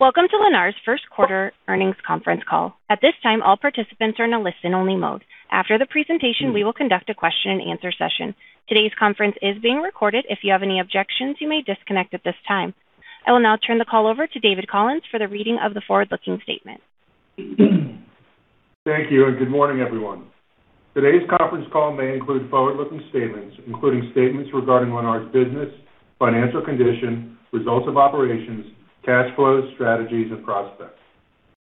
Welcome to Lennar's first quarter earnings conference call. At this time, all participants are in a listen-only mode. After the presentation, we will conduct a question-and-answer session. Today's conference is being recorded. If you have any objections, you may disconnect at this time. I will now turn the call over to David Collins for the reading of the forward-looking statement. Thank you and good morning, everyone. Today's conference call may include forward-looking statements, including statements regarding Lennar's business, financial condition, results of operations, cash flows, strategies, and prospects.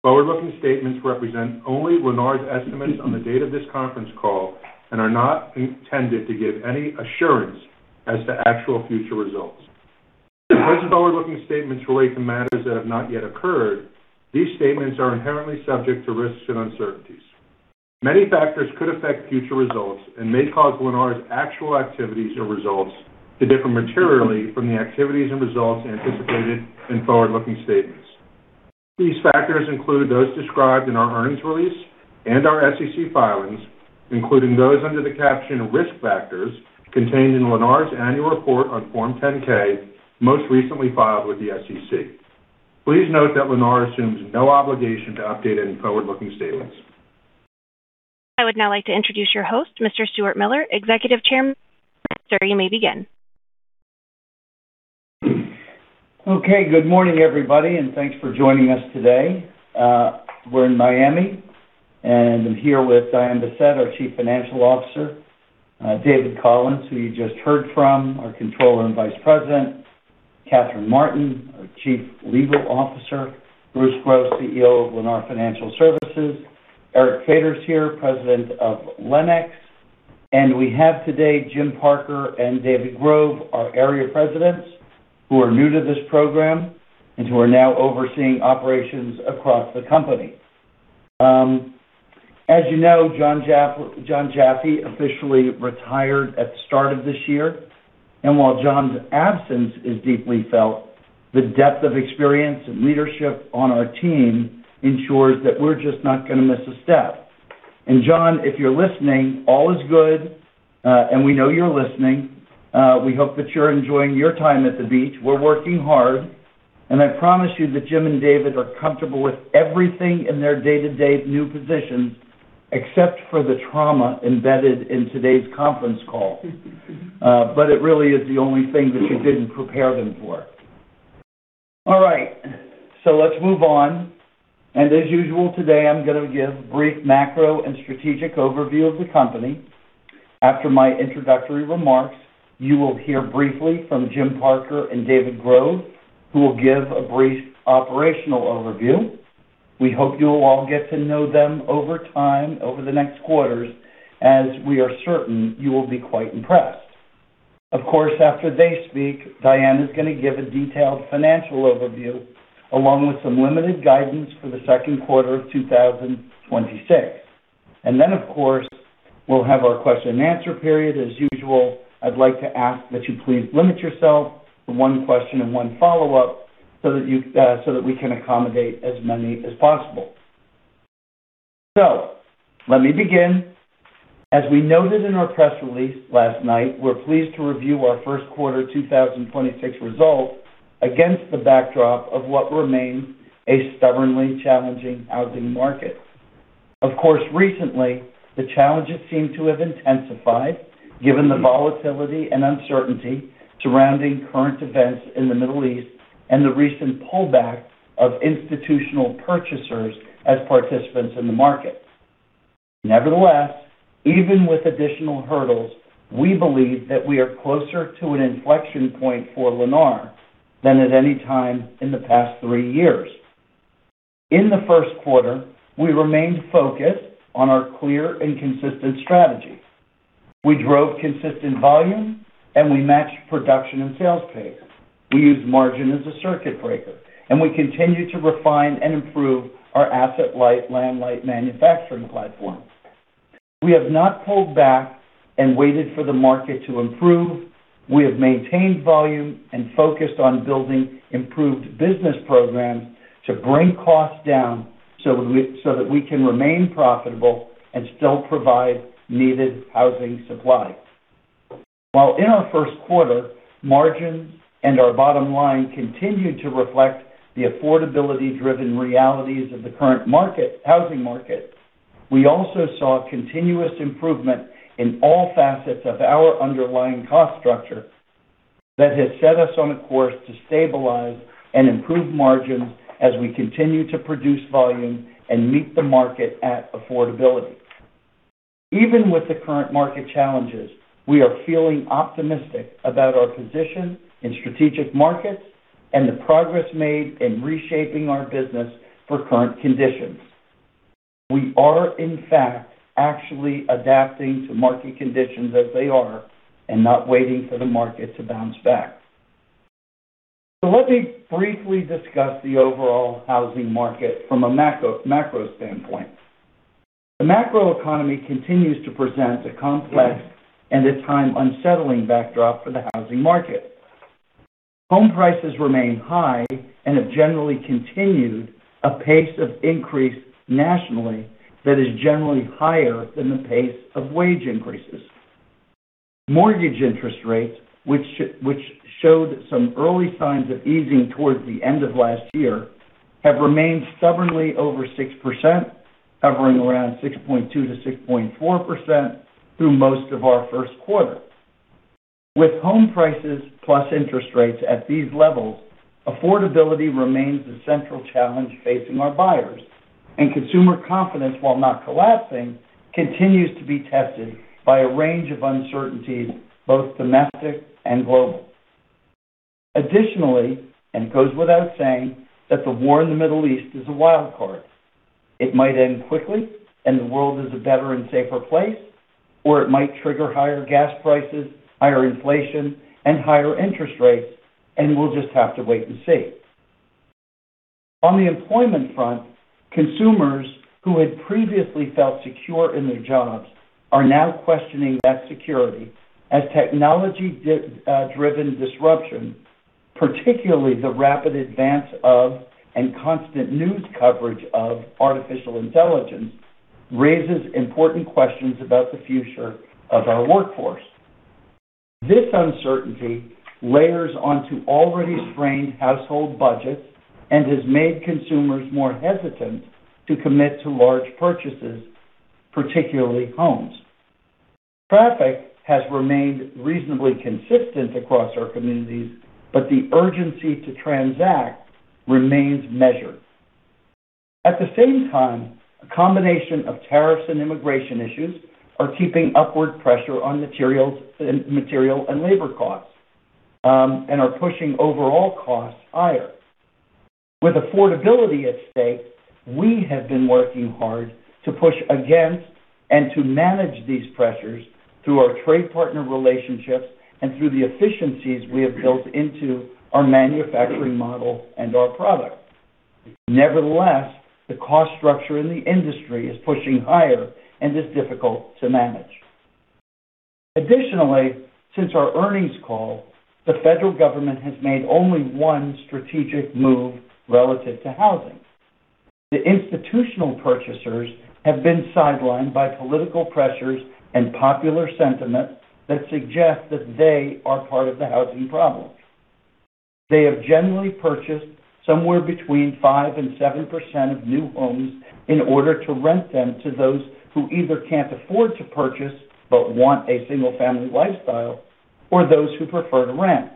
Forward-looking statements represent only Lennar's estimates on the date of this conference call and are not intended to give any assurance as to actual future results. Because forward-looking statements relate to matters that have not yet occurred, these statements are inherently subject to risks and uncertainties. Many factors could affect future results and may cause Lennar's actual activities or results to differ materially from the activities and results anticipated in forward-looking statements. These factors include those described in our earnings release and our SEC filings, including those under the caption Risk Factors contained in Lennar's Annual Report on Form 10-K, most recently filed with the SEC. Please note that Lennar assumes no obligation to update any forward-looking statements. I would now like to introduce your host, Mr. Stuart Miller, Executive Chairman. Sir, you may begin. Okay, good morning, everybody, and thanks for joining us today. We're in Miami, and I'm here with Diane Bessette, our Chief Financial Officer. David Collins, who you just heard from, our Controller and Vice President. Katherine Martin, our Chief Legal Officer. Bruce Gross, CEO of Lennar Financial Services. Eric Feder here, President of LenX. We have today Jim Parker and David Grove, our Area Presidents, who are new to this program and who are now overseeing operations across the company. As you know, Jon Jaffe officially retired at the start of this year. While Jon's absence is deeply felt, the depth of experience and leadership on our team ensures that we're just not gonna miss a step. Jon, if you're listening, all is good, and we know you're listening. We hope that you're enjoying your time at the beach. We're working hard, and I promise you that Jim and David are comfortable with everything in their day-to-day new positions except for the trauma embedded in today's conference call. But it really is the only thing that we didn't prepare them for. All right, so let's move on. As usual, today, I'm gonna give brief macro and strategic overview of the company. After my introductory remarks, you will hear briefly from Jim Parker and David Grove, who will give a brief operational overview. We hope you'll all get to know them over time, over the next quarters, as we are certain you will be quite impressed. Of course, after they speak, Diane is gonna give a detailed financial overview along with some limited guidance for the second quarter of 2026. Then, of course, we'll have our question and answer period as usual. I'd like to ask that you please limit yourself to one question and one follow-up so that we can accommodate as many as possible. Let me begin. As we noted in our press release last night, we're pleased to review our first quarter 2026 results against the backdrop of what remains a stubbornly challenging housing market. Of course, recently, the challenges seem to have intensified given the volatility and uncertainty surrounding current events in the Middle East and the recent pullback of institutional purchasers as participants in the market. Nevertheless, even with additional hurdles, we believe that we are closer to an inflection point for Lennar than at any time in the past three years. In the first quarter, we remained focused on our clear and consistent strategies. We drove consistent volume, and we matched production and sales pace. We used margin as a circuit breaker, and we continued to refine and improve our asset-light, land-light manufacturing platform. We have not pulled back and waited for the market to improve. We have maintained volume and focused on building improved business programs to bring costs down so that we can remain profitable and still provide needed housing supply. While in our first quarter, margin and our bottom line continued to reflect the affordability-driven realities of the current market, housing market, we also saw continuous improvement in all facets of our underlying cost structure that has set us on a course to stabilize and improve margins as we continue to produce volume and meet the market at affordability. Even with the current market challenges, we are feeling optimistic about our position in strategic markets and the progress made in reshaping our business for current conditions. We are, in fact, actually adapting to market conditions as they are and not waiting for the market to bounce back. Let me briefly discuss the overall housing market from a macro standpoint. The macro economy continues to present a complex and, at times, unsettling backdrop for the housing market. Home prices remain high and have generally continued a pace of increase nationally that is generally higher than the pace of wage increases. Mortgage interest rates, which showed some early signs of easing towards the end of last year, have remained stubbornly over 6%, hovering around 6.2%-6.4% through most of our first quarter. With home prices plus interest rates at these levels, affordability remains the central challenge facing our buyers. Consumer confidence, while not collapsing, continues to be tested by a range of uncertainties, both domestic and global. Additionally, and it goes without saying, that the war in the Middle East is a wild card. It might end quickly and the world is a better and safer place, or it might trigger higher gas prices, higher inflation, and higher interest rates, and we'll just have to wait and see. On the employment front, consumers who had previously felt secure in their jobs are now questioning that security as technology driven disruption, particularly the rapid advance of, and constant news coverage of artificial intelligence, raises important questions about the future of our workforce. This uncertainty layers onto already strained household budgets and has made consumers more hesitant to commit to large purchases, particularly homes. Traffic has remained reasonably consistent across our communities, but the urgency to transact remains measured. At the same time, a combination of tariffs and immigration issues are keeping upward pressure on materials and labor costs, and are pushing overall costs higher. With affordability at stake, we have been working hard to push against and to manage these pressures through our trade partner relationships and through the efficiencies we have built into our manufacturing model and our product. Nevertheless, the cost structure in the industry is pushing higher and is difficult to manage. Additionally, since our earnings call, the federal government has made only one strategic move relative to housing. The institutional purchasers have been sidelined by political pressures and popular sentiment that suggest that they are part of the housing problem. They have generally purchased somewhere between 5% and 7% of new homes in order to rent them to those who either can't afford to purchase, but want a single-family lifestyle, or those who prefer to rent.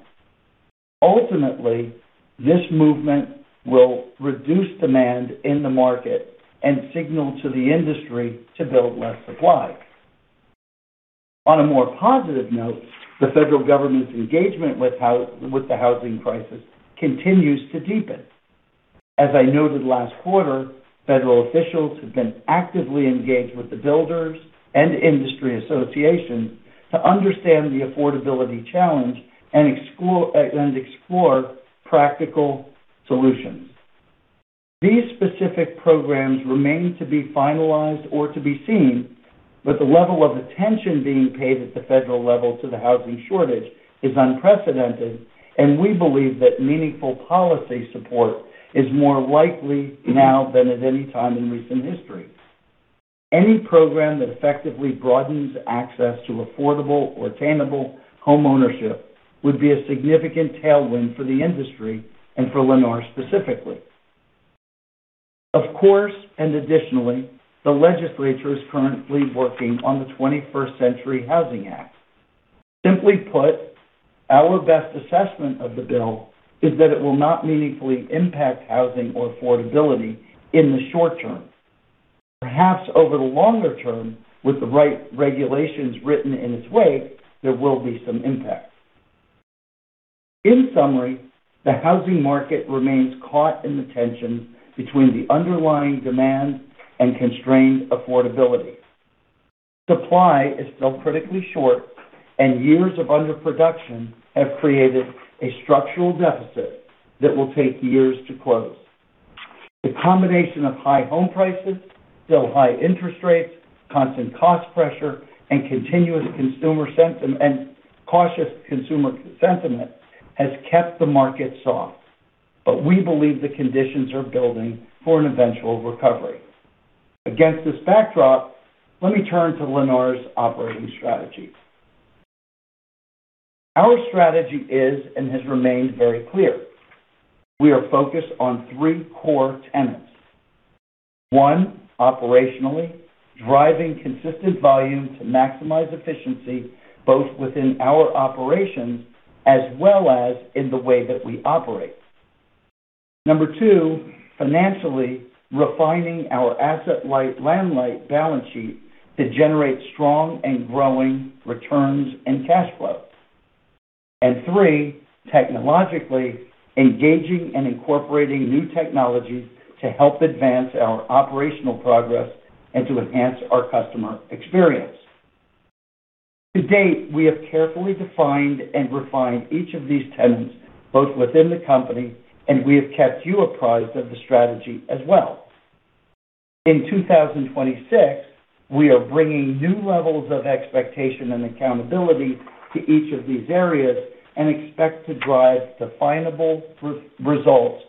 Ultimately, this movement will reduce demand in the market and signal to the industry to build less supply. On a more positive note, the federal government's engagement with the housing crisis continues to deepen. As I noted last quarter, federal officials have been actively engaged with the builders and industry associations to understand the affordability challenge and explore practical solutions. These specific programs remain to be finalized or to be seen, but the level of attention being paid at the federal level to the housing shortage is unprecedented, and we believe that meaningful policy support is more likely now than at any time in recent history. Any program that effectively broadens access to affordable or attainable homeownership would be a significant tailwind for the industry and for Lennar specifically. Of course, additionally, the legislature is currently working on the 21st Century ROAD to Housing Act. Simply put, our best assessment of the bill is that it will not meaningfully impact housing or affordability in the short term. Perhaps over the longer term, with the right regulations written in its way, there will be some impact. In summary, the housing market remains caught in the tension between the underlying demand and constrained affordability. Supply is still critically short, and years of underproduction have created a structural deficit that will take years to close. The combination of high home prices, still high interest rates, constant cost pressure, and continuous consumer and cautious consumer sentiment has kept the market soft. We believe the conditions are building for an eventual recovery. Against this backdrop, let me turn to Lennar's operating strategy. Our strategy is and has remained very clear. We are focused on three core tenets. One, operationally, driving consistent volume to maximize efficiency, both within our operations as well as in the way that we operate. Number two, financially, refining our asset-light, land-light balance sheet to generate strong and growing returns and cash flow. And three, technologically, engaging and incorporating new technologies to help advance our operational progress and to enhance our customer experience. To date, we have carefully defined and refined each of these tenets, both within the company, and we have kept you apprised of the strategy as well. In 2026, we are bringing new levels of expectation and accountability to each of these areas and expect to drive definable results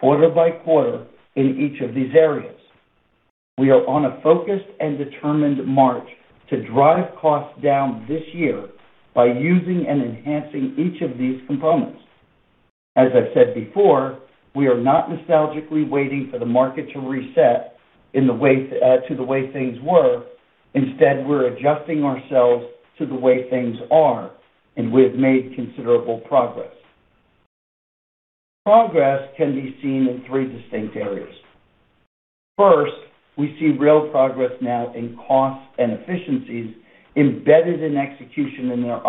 quarter by quarter in each of these areas. We are on a focused and determined march to drive costs down this year by using and enhancing each of these components. As I've said before, we are not nostalgically waiting for the market to reset in the way to the way things were. Instead, we're adjusting ourselves to the way things are, and we have made considerable progress. Progress can be seen in three distinct areas. First, we see real progress now in cost and efficiencies embedded in execution in our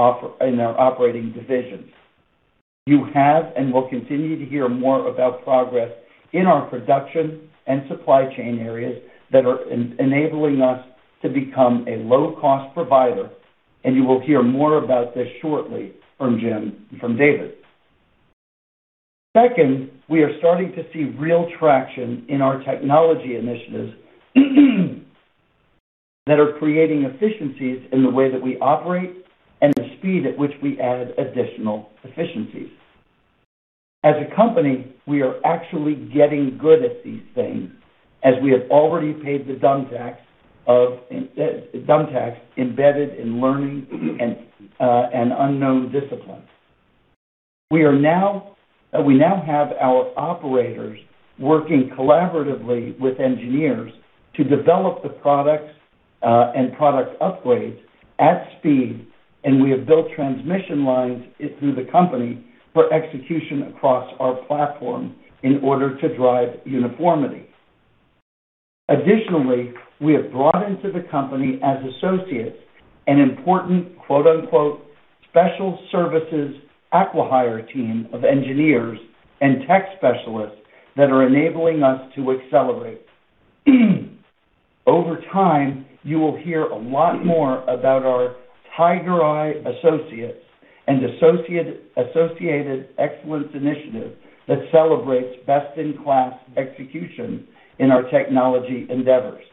operating divisions. You have and will continue to hear more about progress in our production and supply chain areas that are enabling us to become a low-cost provider, and you will hear more about this shortly from Jim and from David. Second, we are starting to see real traction in our technology initiatives that are creating efficiencies in the way that we operate and the speed at which we add additional efficiencies. As a company, we are actually getting good at these things, as we have already paid the dumb tax embedded in learning and unknown disciplines. We now have our operators working collaboratively with engineers to develop the products and product upgrades at speed, and we have built transmission lines through the company for execution across our platform in order to drive uniformity. Additionally, we have brought into the company as associates an important, quote-unquote, "special services acquihire team of engineers and tech specialists" that are enabling us to accelerate. Over time, you will hear a lot more about our TigerEye associates and associated excellence initiative that celebrates best-in-class execution in our technology endeavors.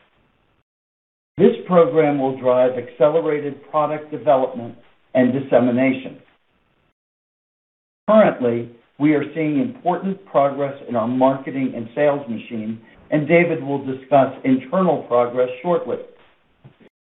This program will drive accelerated product development and dissemination. Currently, we are seeing important progress in our marketing and sales machine, and David will discuss internal progress shortly.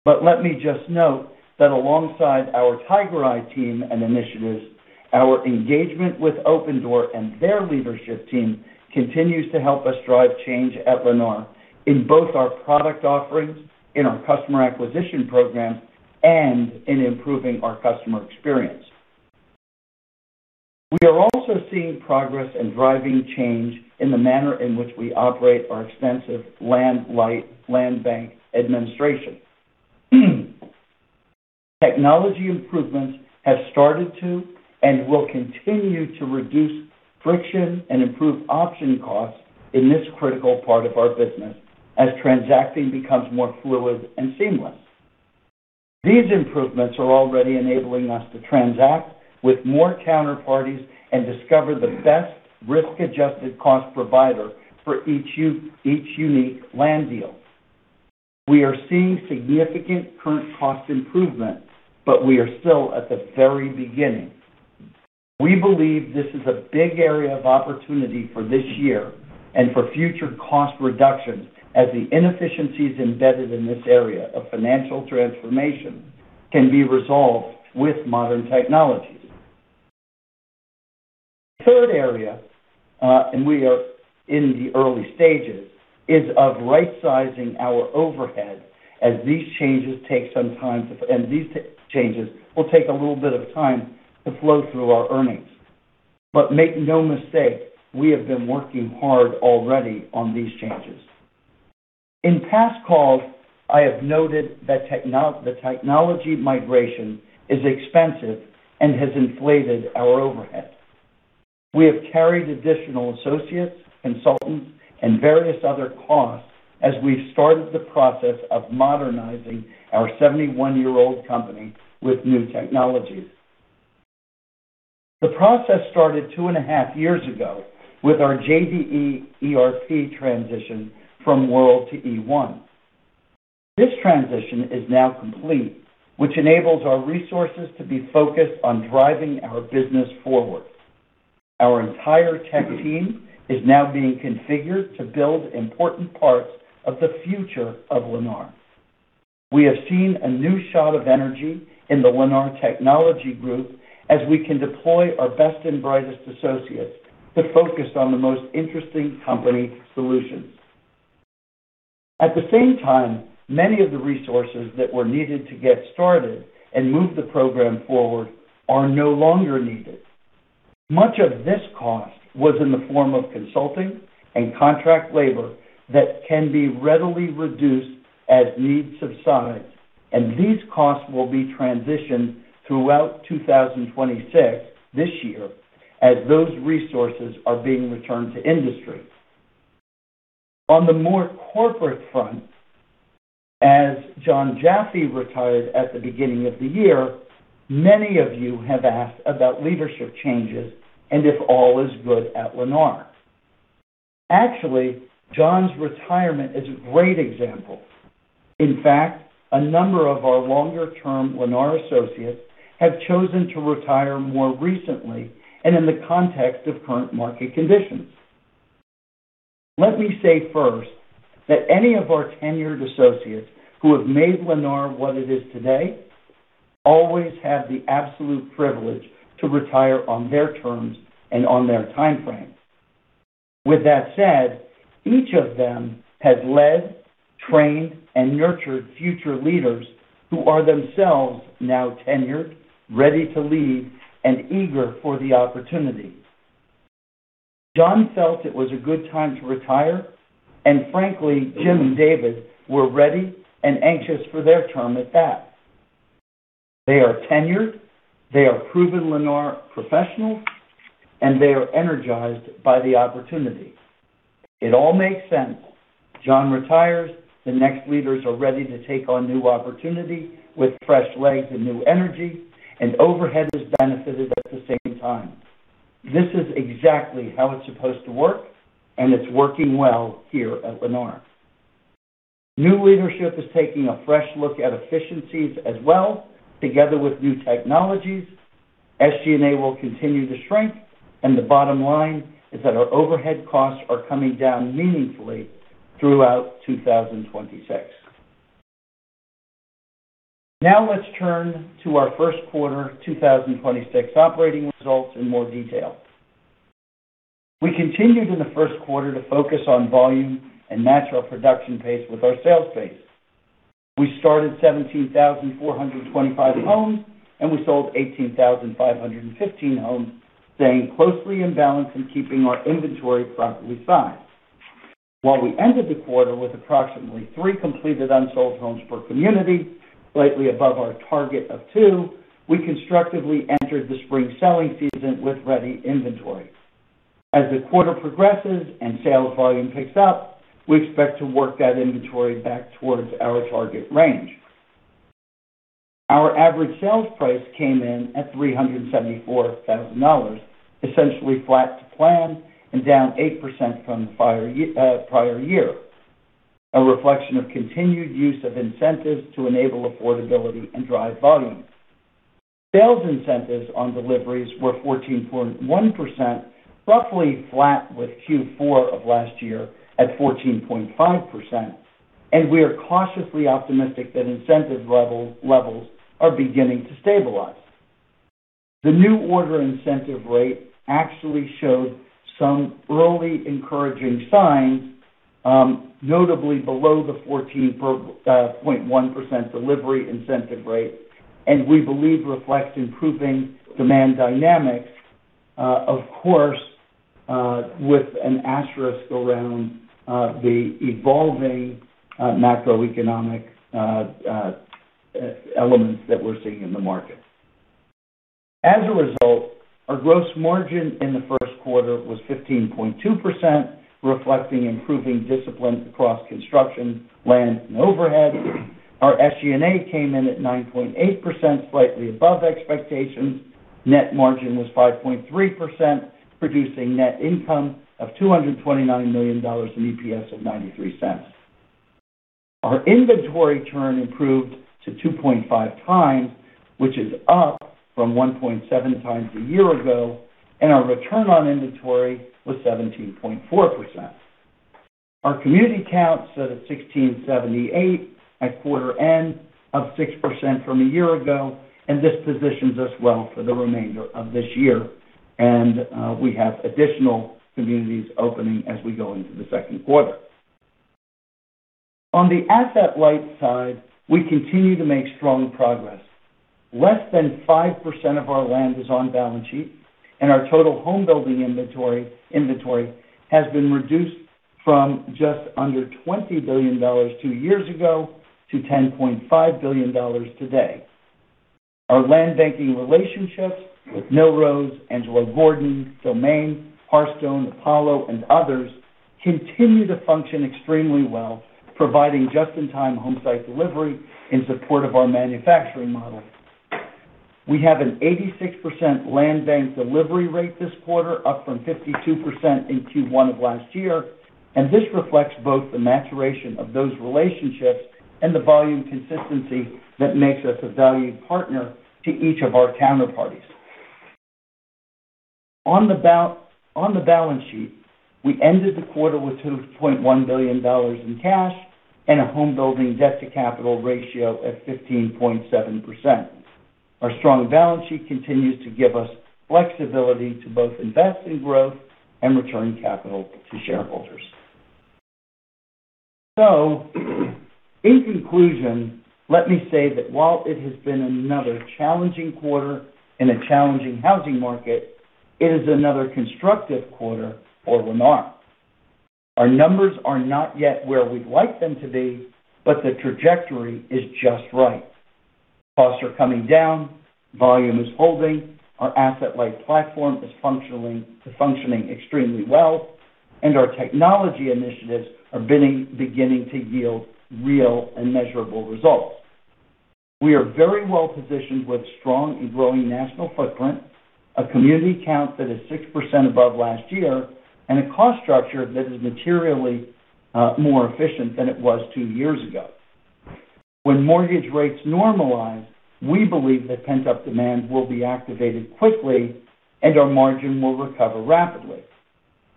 Let me just note that alongside our TigerEye team and initiatives, our engagement with Opendoor and their leadership team continues to help us drive change at Lennar in both our product offerings, in our customer acquisition programs, and in improving our customer experience. We are also seeing progress in driving change in the manner in which we operate our extensive land bank administration. Technology improvements have started to and will continue to reduce friction and improve option costs in this critical part of our business as transacting becomes more fluid and seamless. These improvements are already enabling us to transact with more counterparties and discover the best risk-adjusted cost provider for each unique land deal. We are seeing significant current cost improvement, but we are still at the very beginning. We believe this is a big area of opportunity for this year and for future cost reductions as the inefficiencies embedded in this area of financial transformation can be resolved with modern technologies. Third area, and we are in the early stages, is rightsizing our overhead as these changes will take a little bit of time to flow through our earnings. Make no mistake, we have been working hard already on these changes. In past calls, I have noted that the technology migration is expensive and has inflated our overhead. We have carried additional associates, consultants, and various other costs as we've started the process of modernizing our 71-year-old company with new technologies. The process started two and a half years ago with our JDE ERP transition from World to E1. This transition is now complete, which enables our resources to be focused on driving our business forward. Our entire tech team is now being configured to build important parts of the future of Lennar. We have seen a new shot of energy in the Lennar technology group as we can deploy our best and brightest associates to focus on the most interesting company solutions. At the same time, many of the resources that were needed to get started and move the program forward are no longer needed. Much of this cost was in the form of consulting and contract labor that can be readily reduced as needs subside, and these costs will be transitioned throughout 2026, this year, as those resources are being returned to industry. On the more corporate front, as Jon Jaffe retired at the beginning of the year, many of you have asked about leadership changes and if all is good at Lennar. Actually, Jon's retirement is a great example. In fact, a number of our longer-term Lennar associates have chosen to retire more recently and in the context of current market conditions. Let me say first that any of our tenured associates who have made Lennar what it is today always have the absolute privilege to retire on their terms and on their time frame. With that said, each of them has led, trained, and nurtured future leaders who are themselves now tenured, ready to lead, and eager for the opportunity. Jon felt it was a good time to retire, and frankly, Jim and David were ready and anxious for their term at bat. They are tenured, they are proven Lennar professionals, and they are energized by the opportunity. It all makes sense. Jon retires. The next leaders are ready to take on new opportunity with fresh legs and new energy, and overhead is benefited at the same time. This is exactly how it's supposed to work, and it's working well here at Lennar. New leadership is taking a fresh look at efficiencies as well, together with new technologies. SG&A will continue to shrink, and the bottom line is that our overhead costs are coming down meaningfully throughout 2026. Now let's turn to our first quarter 2026 operating results in more detail. We continued in the first quarter to focus on volume and match our production pace with our sales pace. We started 17,425 homes and we sold 18,515 homes, staying closely in balance and keeping our inventory properly sized. While we ended the quarter with approximately three completed unsold homes per community, slightly above our target of two, we constructively entered the spring selling season with ready inventory. As the quarter progresses and sales volume picks up, we expect to work that inventory back towards our target range. Our average sales price came in at $374,000, essentially flat to plan and down 8% from the prior year, a reflection of continued use of incentives to enable affordability and drive volume. Sales incentives on deliveries were 14.1%, roughly flat with Q4 of last year at 14.5%, and we are cautiously optimistic that incentive levels are beginning to stabilize. The new order incentive rate actually showed some early encouraging signs, notably below the 14.1% delivery incentive rate and we believe reflects improving demand dynamics, of course, with an asterisk around the evolving macroeconomic elements that we're seeing in the market. As a result, our gross margin in the first quarter was 15.2%, reflecting improving discipline across construction, land, and overhead. Our SG&A came in at 9.8%, slightly above expectations. Net margin was 5.3%, producing net income of $229 million in EPS of $0.93. Our inventory turn improved to 2.5x, which is up from 1.7x a year ago, and our return on inventory was 17.4%. Our community count sat at 1,678 at quarter end, up 6% from a year ago, and this positions us well for the remainder of this year. We have additional communities opening as we go into the second quarter. On the asset light side, we continue to make strong progress. Less than 5% of our land is on balance sheet, and our total Homebuilding inventory has been reduced from just under $20 billion two years ago to $10.5 billion today. Our land banking relationships with Millrose, Angelo Gordon, Domain, Hearthstone, Apollo, and others continue to function extremely well, providing just-in-time homesite delivery in support of our manufacturing model. We have an 86% land bank delivery rate this quarter, up from 52% in Q1 of last year, and this reflects both the maturation of those relationships and the volume consistency that makes us a valued partner to each of our counterparties. On the balance sheet, we ended the quarter with $2.1 billion in cash and a home building debt-to-capital ratio at 15.7%. Our strong balance sheet continues to give us flexibility to both invest in growth and return capital to shareholders. In conclusion, let me say that while it has been another challenging quarter in a challenging housing market, it is another constructive quarter for Lennar. Our numbers are not yet where we'd like them to be, but the trajectory is just right. Costs are coming down. Volume is holding. Our asset-light platform is functioning extremely well. Our technology initiatives are beginning to yield real and measurable results. We are very well positioned with strong and growing national footprint, a community count that is 6% above last year, and a cost structure that is materially more efficient than it was two years ago. When mortgage rates normalize, we believe that pent-up demand will be activated quickly and our margin will recover rapidly.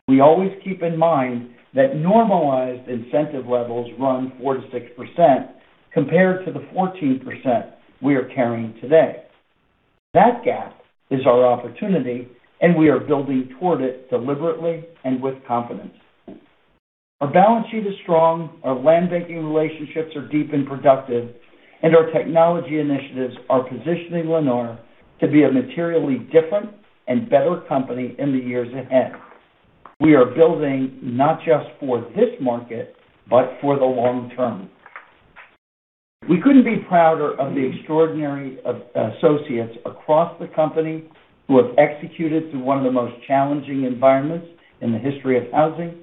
We always keep in mind that normalized incentive levels run 4%-6% compared to the 14% we are carrying today. That gap is our opportunity, and we are building toward it deliberately and with confidence. Our balance sheet is strong, our land banking relationships are deep and productive, and our technology initiatives are positioning Lennar to be a materially different and better company in the years ahead. We are building not just for this market, but for the long term. We couldn't be prouder of the extraordinary associates across the company who have executed through one of the most challenging environments in the history of housing,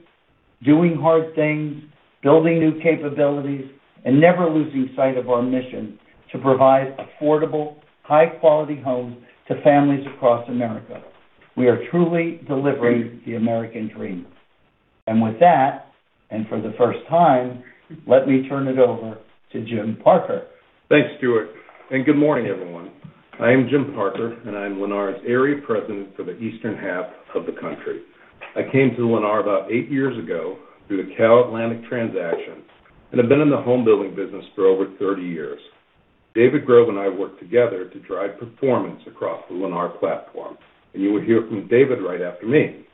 doing hard things, building new capabilities, and never losing sight of our mission to provide affordable, high-quality homes to families across America. We are truly delivering the American dream. With that, and for the first time, let me turn it over to Jim Parker. Thanks, Stuart, and good morning, everyone. I am Jim Parker, and I'm Lennar's Area President for the Eastern half of the country. I came to Lennar about eight years ago through the CalAtlantic transaction and have been in the Homebuilding business for over 30 years. David Grove and I work together to drive performance across the Lennar platform, and you will hear from David right after me.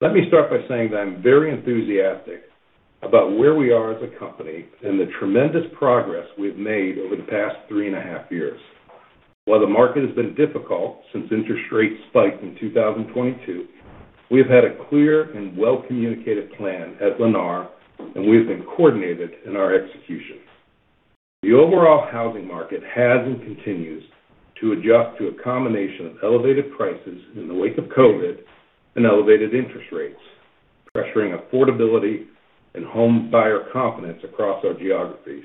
Let me start by saying that I'm very enthusiastic about where we are as a company and the tremendous progress we've made over the past three and a half years. While the market has been difficult since interest rates spiked in 2022, we have had a clear and well-communicated plan at Lennar, and we have been coordinated in our execution. The overall housing market has and continues to adjust to a combination of elevated prices in the wake of COVID and elevated interest rates, pressuring affordability and home buyer confidence across our geographies.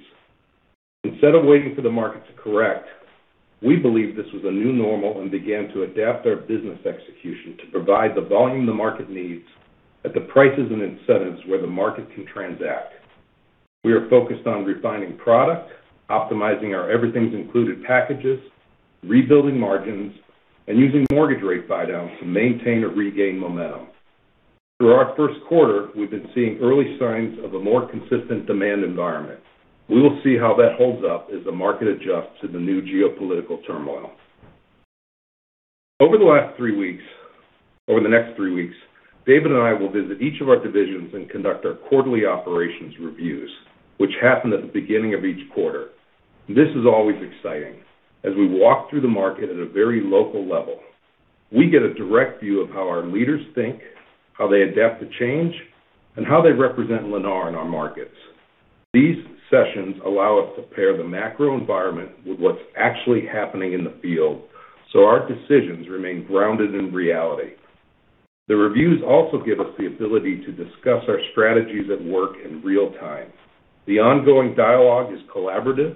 Instead of waiting for the market to correct, we believe this was a new normal and began to adapt our business execution to provide the volume the market needs at the prices and incentives where the market can transact. We are focused on refining product, optimizing our Everything's Included packages, rebuilding margins, and using mortgage rate buy-downs to maintain or regain momentum. Through our first quarter, we've been seeing early signs of a more consistent demand environment. We will see how that holds up as the market adjusts to the new geopolitical turmoil. Over the next three weeks, David and I will visit each of our divisions and conduct our quarterly operations reviews, which happen at the beginning of each quarter. This is always exciting as we walk through the market at a very local level. We get a direct view of how our leaders think, how they adapt to change, and how they represent Lennar in our markets. These sessions allow us to pair the macro environment with what's actually happening in the field, so our decisions remain grounded in reality. The reviews also give us the ability to discuss our strategies at work in real time. The ongoing dialogue is collaborative,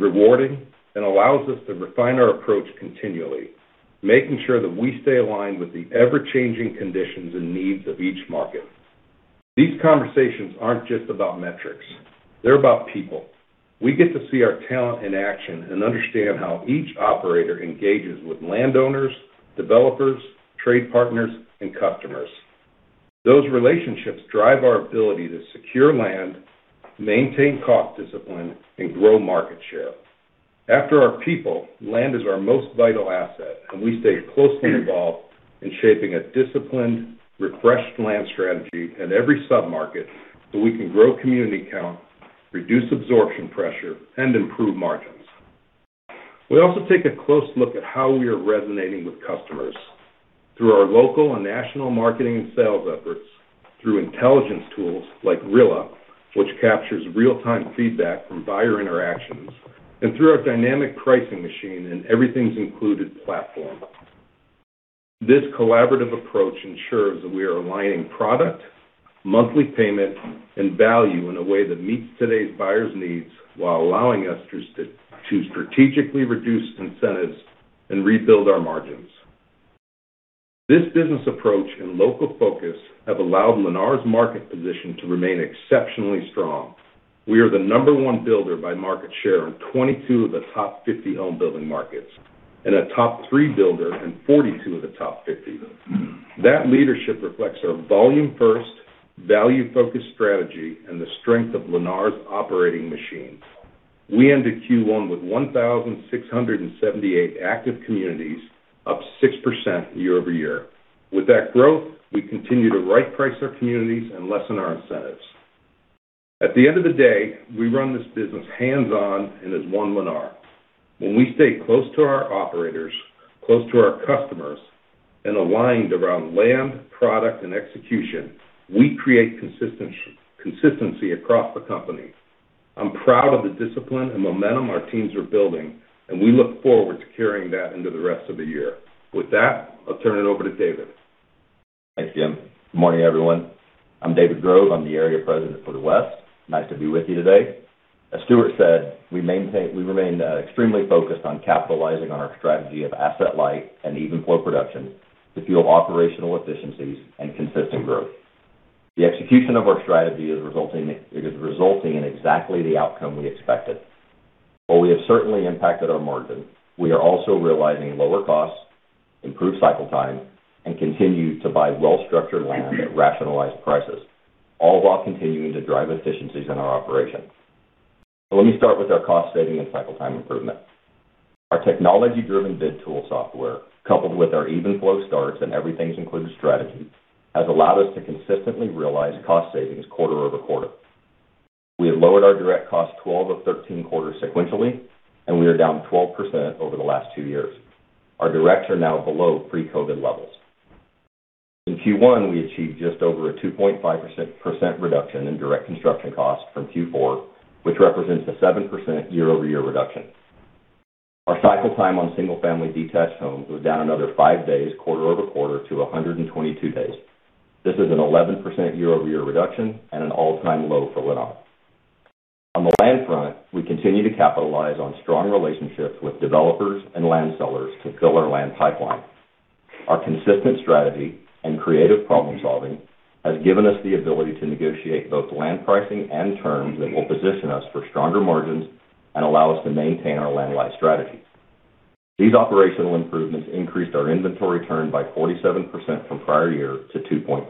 rewarding, and allows us to refine our approach continually, making sure that we stay aligned with the ever-changing conditions and needs of each market. These conversations aren't just about metrics. They're about people. We get to see our talent in action and understand how each operator engages with landowners, developers, trade partners, and customers. Those relationships drive our ability to secure land, maintain cost discipline, and grow market share. After our people, land is our most vital asset, and we stay closely involved in shaping a disciplined, refreshed land strategy at every submarket, so we can grow community counts, reduce absorption pressure, and improve margins. We also take a close look at how we are resonating with customers through our local and national marketing and sales efforts, through intelligence tools like Rilla, which captures real-time feedback from buyer interactions, and through our dynamic pricing machine and Everything's Included platform. This collaborative approach ensures that we are aligning product, monthly payment, and value in a way that meets today's buyers' needs while allowing us to strategically reduce incentives and rebuild our margins. This business approach and local focus have allowed Lennar's market position to remain exceptionally strong. We are the number one builder by market share in 22 of the top 50 Homebuilding markets and a top three builder in 42 of the top 50. That leadership reflects our volume-first, value-focused strategy and the strength of Lennar's operating machine. We ended Q1 with 1,678 active communities, up 6% year-over-year. With that growth, we continue to right-price our communities and lessen our incentives. At the end of the day, we run this business hands-on and as one Lennar. When we stay close to our operators, close to our customers, and aligned around land, product, and execution, we create consistency across the company. I'm proud of the discipline and momentum our teams are building, and we look forward to carrying that into the rest of the year. With that, I'll turn it over to David. Thanks, Jim. Good morning, everyone. I'm David Grove. I'm the Area President for the West. Nice to be with you today. As Stuart said, we remain extremely focused on capitalizing on our strategy of asset light and even flow production to fuel operational efficiencies and consistent growth. The execution of our strategy it is resulting in exactly the outcome we expected. While we have certainly impacted our margin, we are also realizing lower costs, improved cycle time, and continue to buy well-structured land at rationalized prices, all while continuing to drive efficiencies in our operations. Let me start with our cost saving and cycle time improvements. Our technology-driven bid tool software, coupled with our even flow starts and Everything's Included strategy, has allowed us to consistently realize cost savings quarter over quarter. We have lowered our direct costs 12 of 13 quarters sequentially, and we are down 12% over the last two years. Our directs are now below pre-COVID levels. In Q1, we achieved just over a 2.5% reduction in direct construction costs from Q4, which represents a 7% year-over-year reduction. Our cycle time on single-family detached homes was down another five days quarter-over-quarter to 122 days. This is an 11% year-over-year reduction and an all-time low for Lennar. On the land front, we continue to capitalize on strong relationships with developers and land sellers to fill our land pipeline. Our consistent strategy and creative problem-solving has given us the ability to negotiate both land pricing and terms that will position us for stronger margins and allow us to maintain our land light strategy. These operational improvements increased our inventory turn by 47% from prior year to 2.5.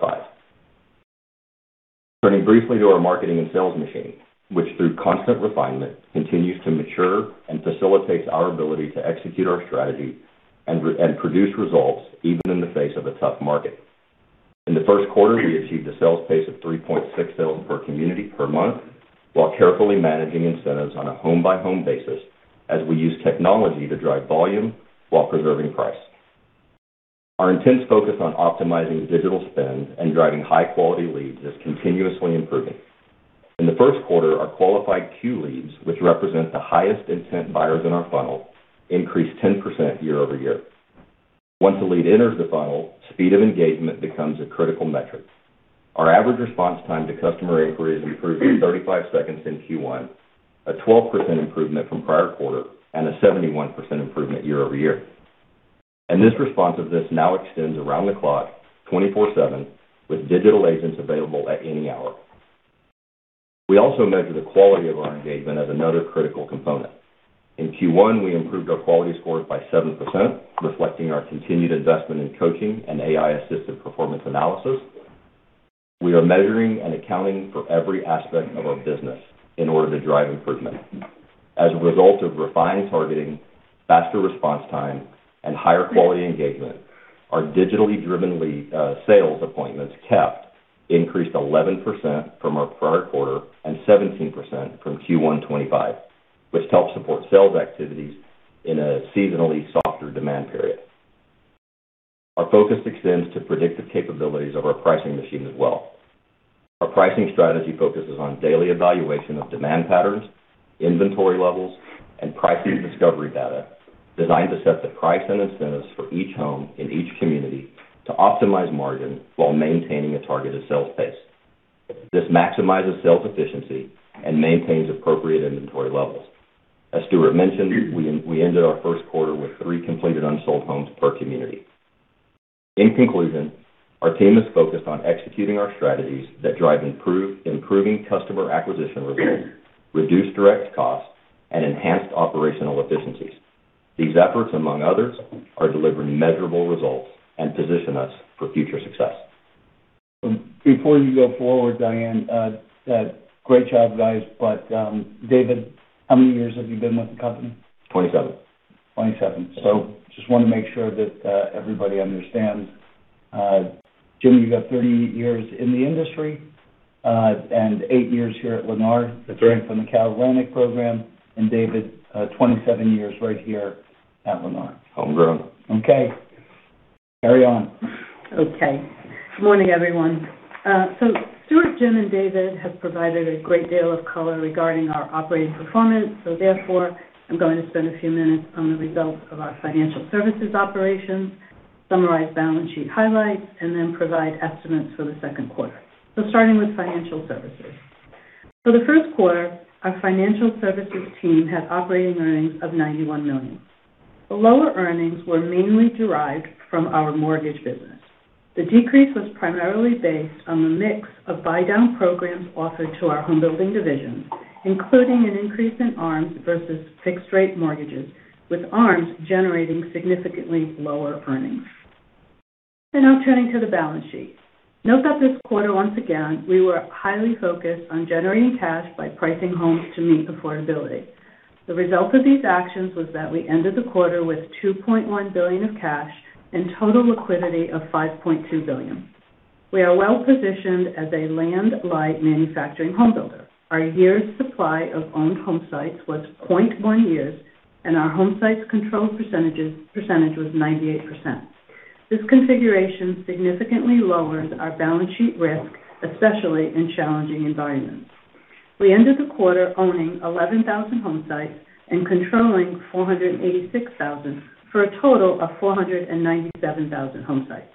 Turning briefly to our marketing and sales machine, which through constant refinement, continues to mature and facilitates our ability to execute our strategy and produce results even in the face of a tough market. In the first quarter, we achieved a sales pace of 3.6 sales per community per month while carefully managing incentives on a home-by-home basis as we use technology to drive volume while preserving price. Our intense focus on optimizing digital spend and driving high-quality leads is continuously improving. In the first quarter, our qualified leads, which represent the highest intent buyers in our funnel, increased 10% year-over-year. Once a lead enters the funnel, speed of engagement becomes a critical metric. Our average response time to customer inquiries improved to 35 seconds in Q1, a 12% improvement from prior quarter and a 71% improvement year-over-year. This responsiveness now extends around the clock, 24/7, with digital agents available at any hour. We also measure the quality of our engagement as another critical component. In Q1, we improved our quality scores by 7%, reflecting our continued investment in coaching and AI-assisted performance analysis. We are measuring and accounting for every aspect of our business in order to drive improvement. As a result of refined targeting, faster response time, and higher quality engagement, our digitally driven lead sales appointments set increased 11% from our prior quarter and 17% from Q1 2025, which helped support sales activities in a seasonally softer demand period. Our focus extends to predictive capabilities of our pricing machine as well. Our pricing strategy focuses on daily evaluation of demand patterns, inventory levels, and pricing discovery data designed to set the price and incentives for each home in each community to optimize margin while maintaining a targeted sales pace. This maximizes sales efficiency and maintains appropriate inventory levels. As Stuart mentioned, we ended our first quarter with completed unsold homes per community. In conclusion, our team is focused on executing our strategies that drive improving customer acquisition rates, reduced direct costs, and enhanced operational efficiencies. These efforts, among others, are delivering measurable results and position us for future success. Before you go forward, Diane, great job, guys. David, how many years have you been with the company? 27. 27. Just wanna make sure that everybody understands. Jim, you got 30 years in the industry, and eight years here at Lennar. That's right. From the CalAtlantic program. David, 27 years right here at Lennar. Homegrown. Okay. Carry on. Okay. Good morning, everyone. Stuart, Jim, and David have provided a great deal of color regarding our operating performance, therefore, I'm going to spend a few minutes on the results of our Financial Services operations, summarize balance sheet highlights, and then provide estimates for the second quarter. Starting with Financial Services. For the first quarter, our Financial Services team had operating earnings of $91 million. The lower earnings were mainly derived from our mortgage business. The decrease was primarily based on the mix of buy-down programs offered to our home building divisions, including an increase in ARMs versus fixed rate mortgages, with ARMs generating significantly lower earnings. Now turning to the balance sheet. Note that this quarter, once again, we were highly focused on generating cash by pricing homes to meet affordability. The result of these actions was that we ended the quarter with $2.1 billion of cash and total liquidity of $5.2 billion. We are well positioned as a land light manufacturing home builder. Our years supply of owned home sites was 0.1 years, and our home sites controlled percentage was 98%. This configuration significantly lowers our balance sheet risk, especially in challenging environments. We ended the quarter owning 11,000 home sites and controlling 486,000, for a total of 497,000 home sites.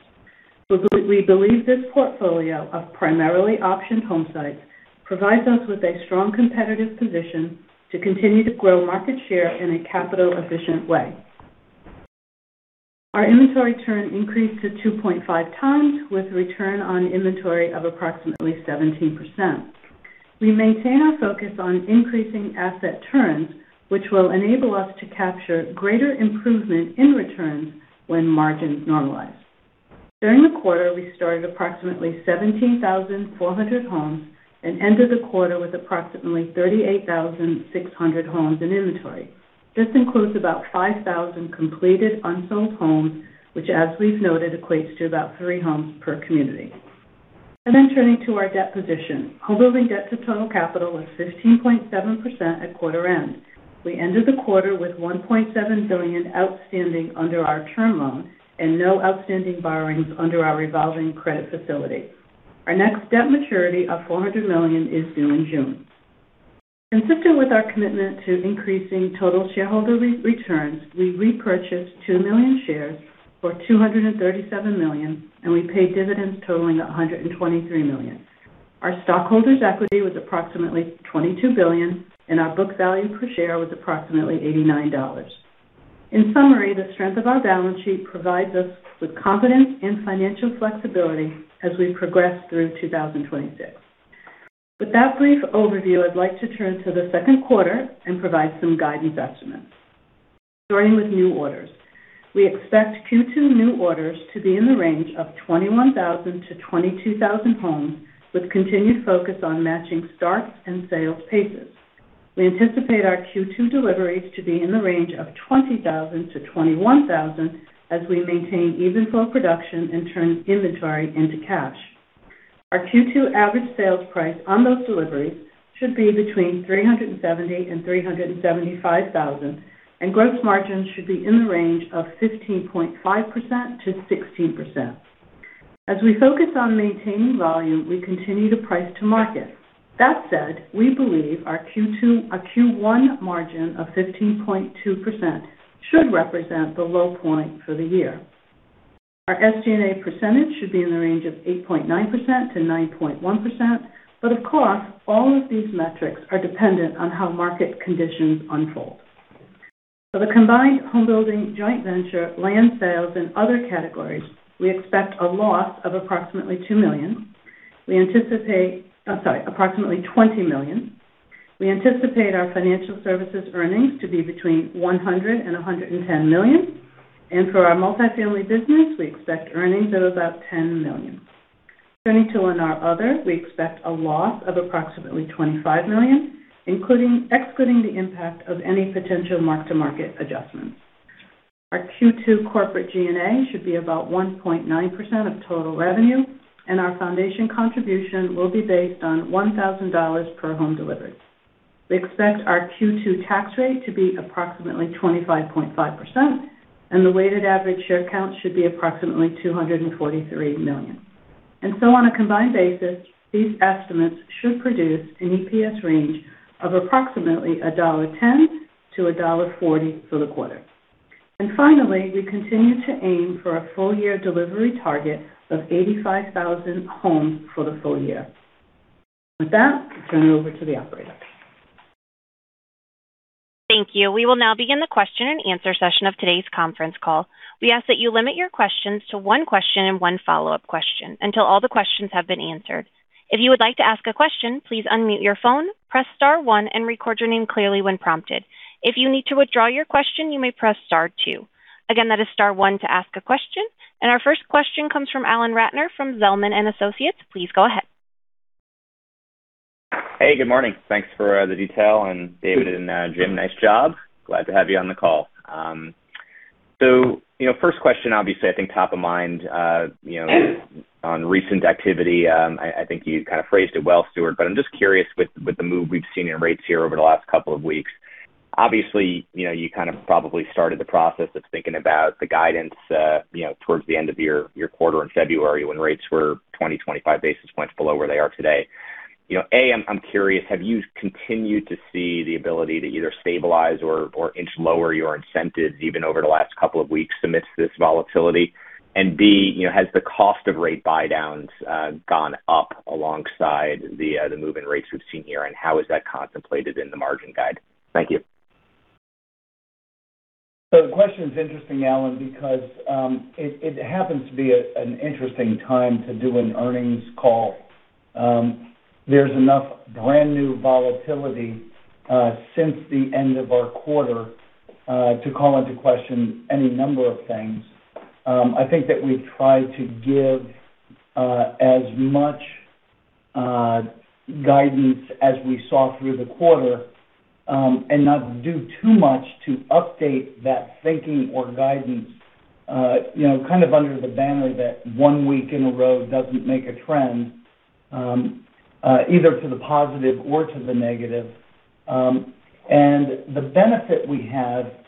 We believe this portfolio of primarily optioned home sites provides us with a strong competitive position to continue to grow market share in a capital-efficient way. Our inventory turn increased to 2.5x, with return on inventory of approximately 17%. We maintain our focus on increasing asset turns, which will enable us to capture greater improvement in returns when margins normalize. During the quarter, we started approximately 17,400 homes and ended the quarter with approximately 38,600 homes in inventory. This includes about 5,000 completed unsold homes, which as we've noted, equates to about three homes per community. Turning to our debt position. Homebuilding debt to total capital was 15.7% at quarter end. We ended the quarter with $1.7 billion outstanding under our term loan and no outstanding borrowings under our revolving credit facility. Our next debt maturity of $400 million is due in June. Consistent with our commitment to increasing total shareholder returns, we repurchased 2 million shares for $237 million, and we paid dividends totaling $123 million. Our stockholders' equity was approximately $22 billion, and our book value per share was approximately $89. In summary, the strength of our balance sheet provides us with confidence and financial flexibility as we progress through 2026. With that brief overview, I'd like to turn to the second quarter and provide some guidance estimates. Starting with new orders. We expect Q2 new orders to be in the range of 21,000-22,000 homes, with continued focus on matching starts and sales paces. We anticipate our Q2 deliveries to be in the range of 20,000-21,000 as we maintain even flow production and turn inventory into cash. Our Q2 average sales price on those deliveries should be between $370,000 and $375,000, and gross margins should be in the range of 15.5%-16%. As we focus on maintaining volume, we continue to price to market. That said, we believe our Q1 margin of 15.2% should represent the low point for the year. Our SG&A percentage should be in the range of 8.9%-9.1%, but of course, all of these metrics are dependent on how market conditions unfold. For the combined home building joint venture, land sales, and other categories, we expect a loss of approximately $20 million. We anticipate our Financial Services earnings to be between $100 million and $110 million. For our Multifamily business, we expect earnings of about $10 million. Turning to our other, we expect a loss of approximately $25 million, excluding the impact of any potential mark-to-market adjustments. Our Q2 corporate G&A should be about 1.9% of total revenue, and our foundation contribution will be based on $1,000 per home delivered. We expect our Q2 tax rate to be approximately 25.5%, and the weighted average share count should be approximately 243 million. On a combined basis, these estimates should produce an EPS range of approximately $1.10-$1.40 for the quarter. Finally, we continue to aim for a full-year delivery target of 85,000 homes for the full year. With that, turn it over to the operator. Thank you. We will now begin the question-and-answer session of today's conference call. We ask that you limit your questions to one question and one follow-up question until all the questions have been answered. If you would like to ask a question, please unmute your phone, press star one and record your name clearly when prompted. If you need to withdraw your question, you may press star two. Again, that is star one to ask a question. Our first question comes from Alan Ratner from Zelman & Associates. Please go ahead. Hey, good morning. Thanks for the detail, and David and Jim, nice job. Glad to have you on the call. You know, first question, obviously, I think top of mind, you know, on recent activity, I think you kind of phrased it well, Stuart, but I'm just curious with the move we've seen in rates here over the last couple of weeks. Obviously, you know, you kind of probably started the process of thinking about the guidance, you know, towards the end of your quarter in February when rates were 25 basis points below where they are today. You know, I'm curious, have you continued to see the ability to either stabilize or inch lower your incentives even over the last couple of weeks amidst this volatility? B, you know, has the cost of rate buydowns gone up alongside the move in rates we've seen here, and how is that contemplated in the margin guide? Thank you. The question is interesting, Alan, because it happens to be an interesting time to do an earnings call. There's enough brand-new volatility since the end of our quarter to call into question any number of things. I think that we try to give as much guidance as we saw through the quarter and not do too much to update that thinking or guidance, you know, kind of under the banner that one week in a row doesn't make a trend either to the positive or to the negative. The benefit we had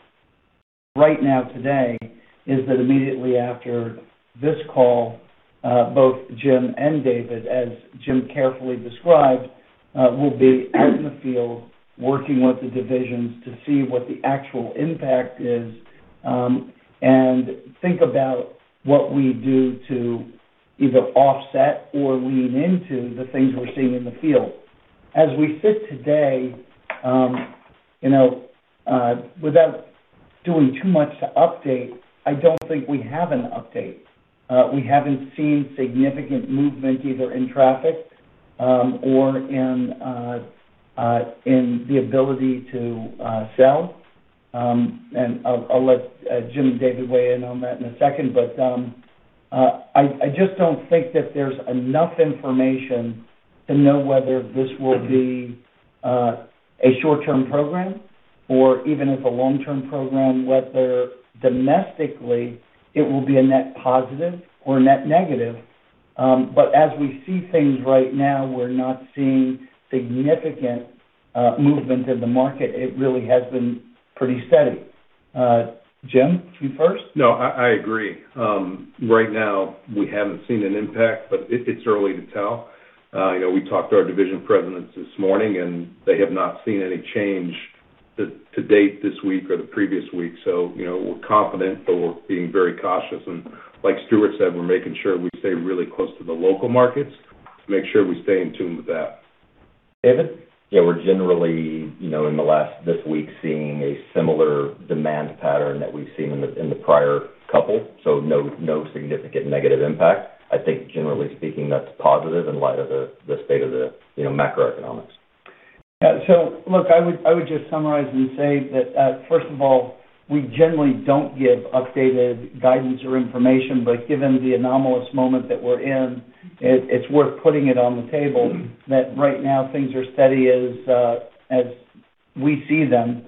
right now today is that immediately after this call, both Jim and David, as Jim carefully described, will be out in the field working with the divisions to see what the actual impact is, and think about what we do to either offset or lean into the things we're seeing in the field. As we sit today, you know, without doing too much to update, I don't think we have an update. We haven't seen significant movement either in traffic, or in the ability to sell. I'll let Jim and David weigh in on that in a second. I just don't think that there's enough information to know whether this will be a short-term program or even if a long-term program, whether domestically it will be a net positive or a net negative. As we see things right now, we're not seeing significant movement in the market. It really has been pretty steady. Jim, you first? No, I agree. Right now we haven't seen an impact, but it's early to tell. You know, we talked to our division presidents this morning, and they have not seen any change to date this week or the previous week. You know, we're confident, but we're being very cautious. Like Stuart said, we're making sure we stay really close to the local markets to make sure we stay in tune with that. David? Yeah. We're generally, you know, this week seeing a similar demand pattern that we've seen in the prior couple, so no significant negative impact. I think generally speaking, that's positive in light of the state of the, you know, macroeconomics. Look, I would just summarize and say that first of all, we generally don't give updated guidance or information. Given the anomalous moment that we're in, it's worth putting it on the table that right now things are steady as we see them.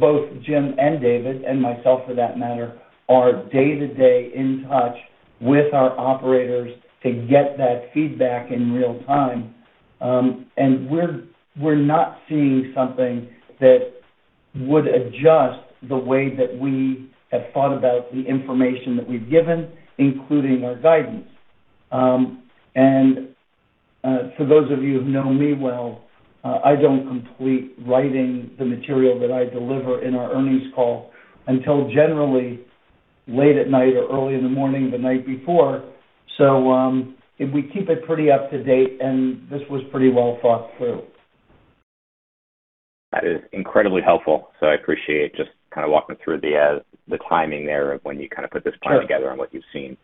Both Jim and David, and myself for that matter, are day-to-day in touch with our operators to get that feedback in real time. We're not seeing something that would adjust the way that we have thought about the information that we've given, including our guidance. For those of you who know me well, I don't complete writing the material that I deliver in our earnings call until generally late at night or early in the morning, the night before. We keep it pretty up to date, and this was pretty well thought through. That is incredibly helpful, so I appreciate just kind of walking through the timing there of when you kind of put this plan together. Sure. What you've seen.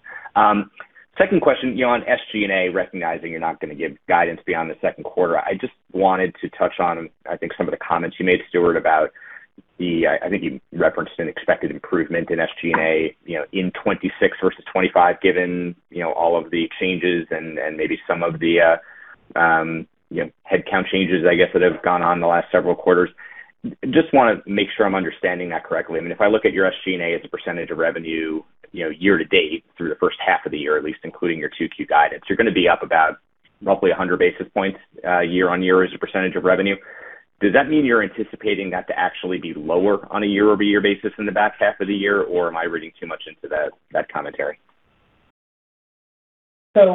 Second question, you know, on SG&A, recognizing you're not gonna give guidance beyond the second quarter. I just wanted to touch on, I think some of the comments you made, Stuart, about the. I think you referenced an expected improvement in SG&A, you know, in 2026 versus 2025, given, you know, all of the changes and maybe some of the, you know, headcount changes, I guess, that have gone on in the last several quarters. Just wanna make sure I'm understanding that correctly. I mean, if I look at your SG&A as a percentage of revenue, you know, year to date through the first half of the year, at least including your 2Q guidance, you're gonna be up about roughly 100 basis points year-over-year as a percentage of revenue. Does that mean you're anticipating that to actually be lower on a year-over-year basis in the back half of the year, or am I reading too much into that commentary? Let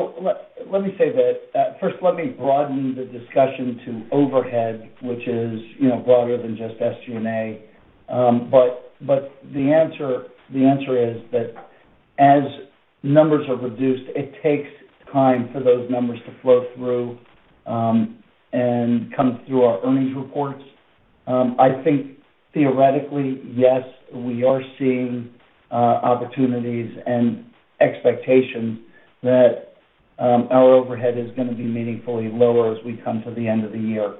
me say that, first let me broaden the discussion to overhead, which is, you know, broader than just SG&A. But the answer is that as numbers are reduced, it takes time for those numbers to flow through and come through our earnings reports. I think theoretically, yes, we are seeing opportunities and expectations that our overhead is gonna be meaningfully lower as we come to the end of the year.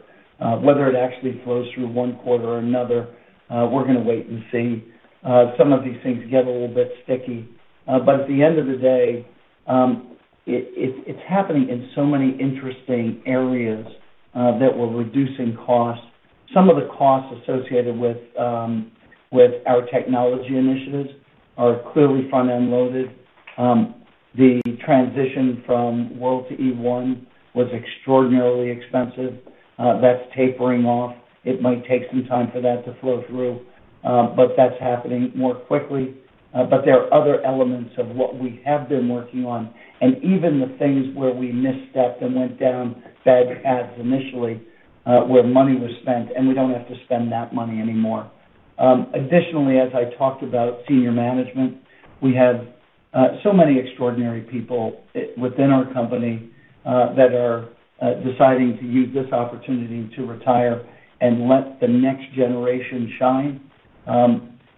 Whether it actually flows through one quarter or another, we're gonna wait and see. Some of these things get a little bit sticky. At the end of the day, it's happening in so many interesting areas that we're reducing costs. Some of the costs associated with our technology initiatives are clearly front-end loaded. The transition from World to E1 was extraordinarily expensive. That's tapering off. It might take some time for that to flow through, but that's happening more quickly. There are other elements of what we have been working on, and even the things where we misstepped and went down bad paths initially, where money was spent and we don't have to spend that money anymore. Additionally, as I talked about senior management, we have so many extraordinary people within our company that are deciding to use this opportunity to retire and let the next generation shine.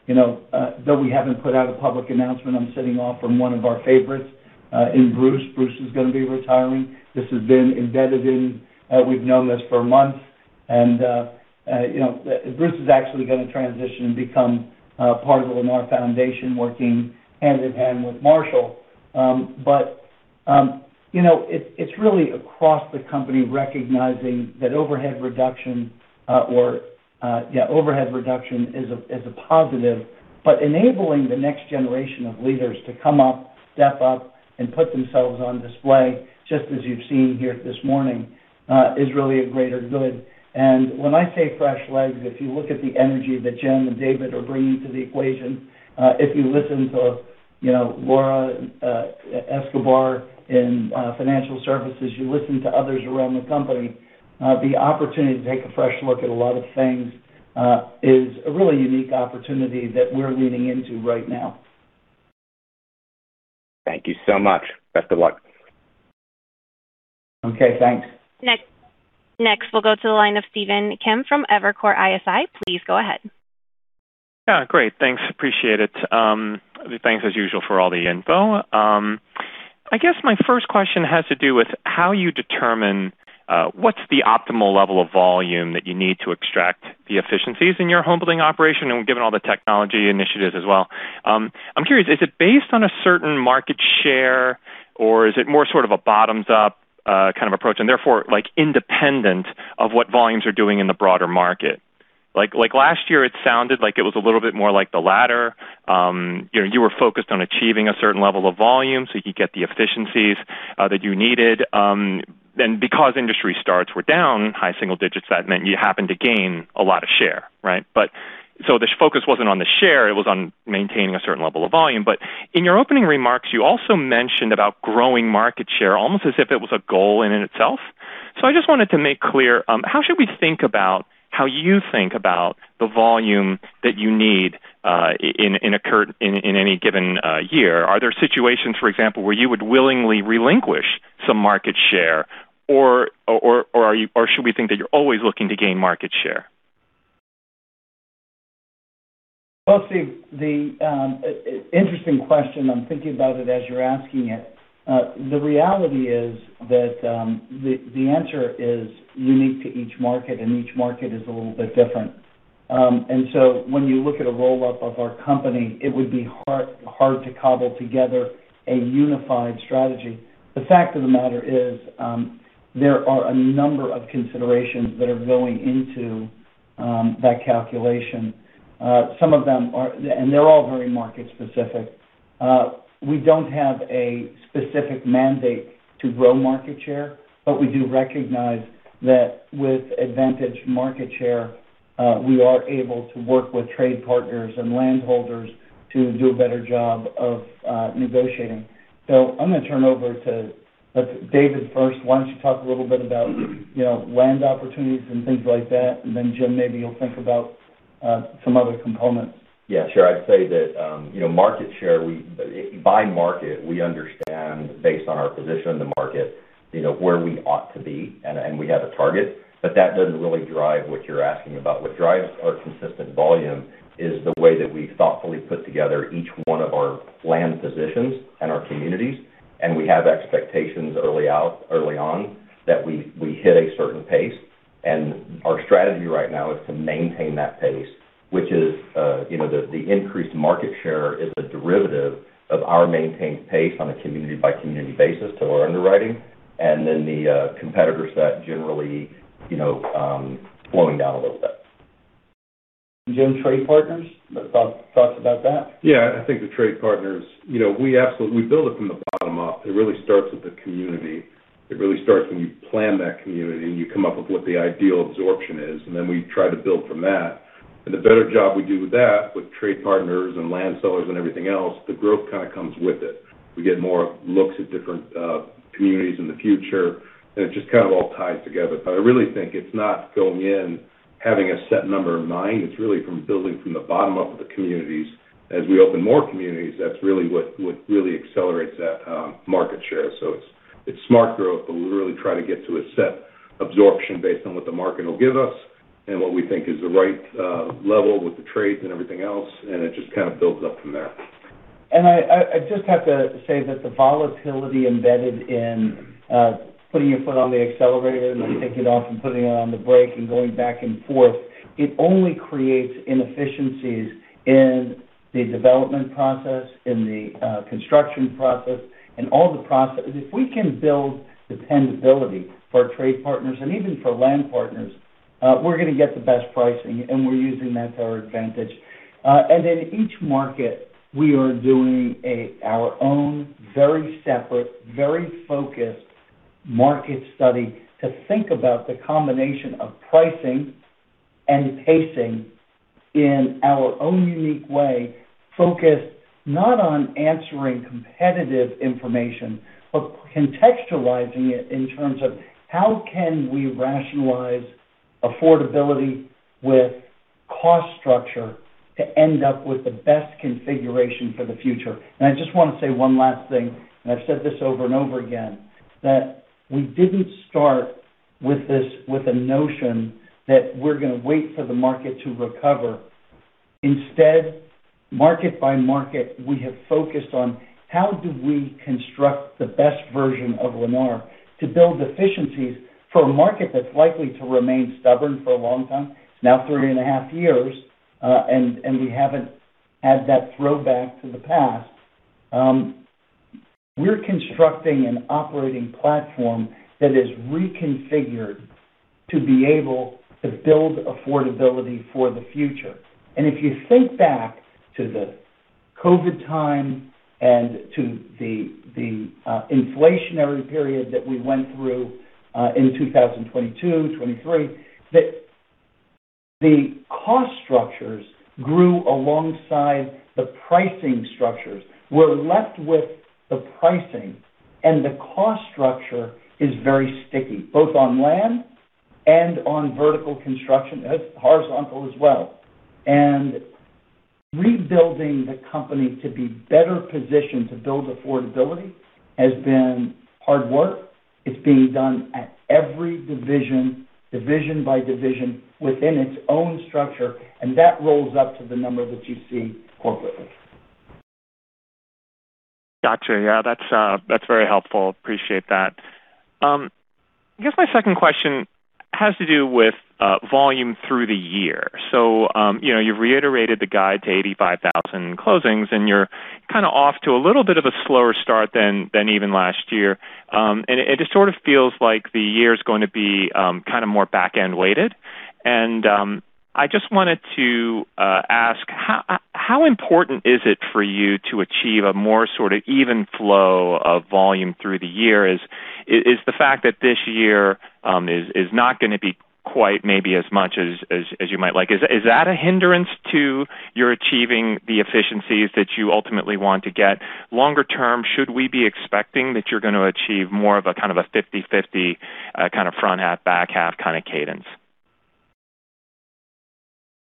You know, though we haven't put out a public announcement, sad to see off one of our favorites, in Bruce. Bruce is gonna be retiring. This has been embedded in, we've known this for months and, you know, Bruce is actually gonna transition and become part of the Lennar Foundation working hand in hand with Marshall. You know, it's really across the company recognizing that overhead reduction or yeah, overhead reduction is a positive, but enabling the next generation of leaders to come up, step up, and put themselves on display, just as you've seen here this morning, is really a greater good. When I say fresh legs, if you look at the energy that Jim and David are bringing to the equation, if you listen to, you know, Laura Escobar in Financial Services, you listen to others around the company, the opportunity to take a fresh look at a lot of things is a really unique opportunity that we're leaning into right now. Thank you so much. Best of luck. Okay, thanks. Next, we'll go to the line of Stephen Kim from Evercore ISI. Please go ahead. Yeah, great. Thanks. Appreciate it. Thanks as usual for all the info. I guess my first question has to do with how you determine what's the optimal level of volume that you need to extract the efficiencies in your Homebuilding operation and given all the technology initiatives as well. I'm curious, is it based on a certain market share, or is it more sort of a bottoms-up kind of approach, and therefore like independent of what volumes are doing in the broader market? Like last year, it sounded like it was a little bit more like the latter. You know, you were focused on achieving a certain level of volume so you could get the efficiencies that you needed. Then because industry starts were down high single digits, that meant you happened to gain a lot of share, right? The focus wasn't on the share, it was on maintaining a certain level of volume. In your opening remarks, you also mentioned about growing market share almost as if it was a goal in and itself. I just wanted to make clear how should we think about how you think about the volume that you need in any given year. Are there situations, for example, where you would willingly relinquish some market share or should we think that you're always looking to gain market share? Well, Stephen, the interesting question, I'm thinking about it as you're asking it. The reality is that the answer is unique to each market, and each market is a little bit different. When you look at a roll-up of our company, it would be hard to cobble together a unified strategy. The fact of the matter is, there are a number of considerations that are going into that calculation. Some of them are. They're all very market-specific. We don't have a specific mandate to grow market share, but we do recognize that with advantage market share, we are able to work with trade partners and landholders to do a better job of negotiating. I'm gonna turn over to David first. Why don't you talk a little bit about, you know, land opportunities and things like that, and then Jim, maybe you'll think about some other components. Yeah, sure. I'd say that, you know, market share. By market, we understand based on our position in the market, you know, where we ought to be, and we have a target, but that doesn't really drive what you're asking about. What drives our consistent volume is the way that we thoughtfully put together each one of our land positions and our communities, and we have expectations early on that we hit a certain pace. Our strategy right now is to maintain that pace, which is, you know, the increased market share is a derivative of our maintained pace on a community-by-community basis to our underwriting, and then the competitors that generally, you know, slowing down a little bit. Jim, trade partners, the thoughts about that? Yeah. I think the trade partners, you know, we absolutely, we build it from the bottom up. It really starts with the community. It really starts when you plan that community, and you come up with what the ideal absorption is, and then we try to build from that. The better job we do with that, with trade partners and land sellers and everything else, the growth kind of comes with it. We get more looks at different communities in the future, and it just kind of all ties together. I really think it's not going in, having a set number in mind. It's really from building from the bottom up of the communities. As we open more communities, that's really what really accelerates that market share. It's smart growth, but we really try to get to a set absorption based on what the market will give us and what we think is the right level with the trades and everything else, and it just kind of builds up from there. I just have to say that the volatility embedded in putting your foot on the accelerator and then taking it off and putting it on the brake and going back and forth, it only creates inefficiencies in the development process, in the construction process and all the process. If we can build dependability for trade partners and even for land partners, we're gonna get the best pricing, and we're using that to our advantage. In each market, we are doing our own very separate, very focused market study to think about the combination of pricing and pacing in our own unique way, focused not on answering competitive information, but contextualizing it in terms of how can we rationalize affordability with cost structure to end up with the best configuration for the future. I just want to say one last thing, and I've said this over and over again, that we didn't start with this, with a notion that we're gonna wait for the market to recover. Instead, market by market, we have focused on how do we construct the best version of Lennar to build efficiencies for a market that's likely to remain stubborn for a long time, now three and a half years, and we haven't, as that throwback to the past, we're constructing an operating platform that is reconfigured to be able to build affordability for the future. If you think back to the COVID time and to the inflationary period that we went through, in 2022, 2023, the cost structures grew alongside the pricing structures. We're left with the pricing, and the cost structure is very sticky, both on land and on vertical construction. Horizontal as well. Rebuilding the company to be better positioned to build affordability has been hard work. It's being done at every division by division, within its own structure, and that rolls up to the number that you see corporately. Got you. Yeah, that's very helpful. Appreciate that. I guess my second question has to do with volume through the year. You know, you've reiterated the guide to 85,000 closings, and you're kind of off to a little bit of a slower start than even last year. It just sort of feels like the year is gonna be kind of more back-end weighted. I just wanted to ask, how important is it for you to achieve a more sort of even flow of volume through the year? Is the fact that this year is not gonna be quite maybe as much as you might like, is that a hindrance to your achieving the efficiencies that you ultimately want to get? Longer term, should we be expecting that you're gonna achieve more of a kind of a 50/50, kind of front half/back half kind of cadence?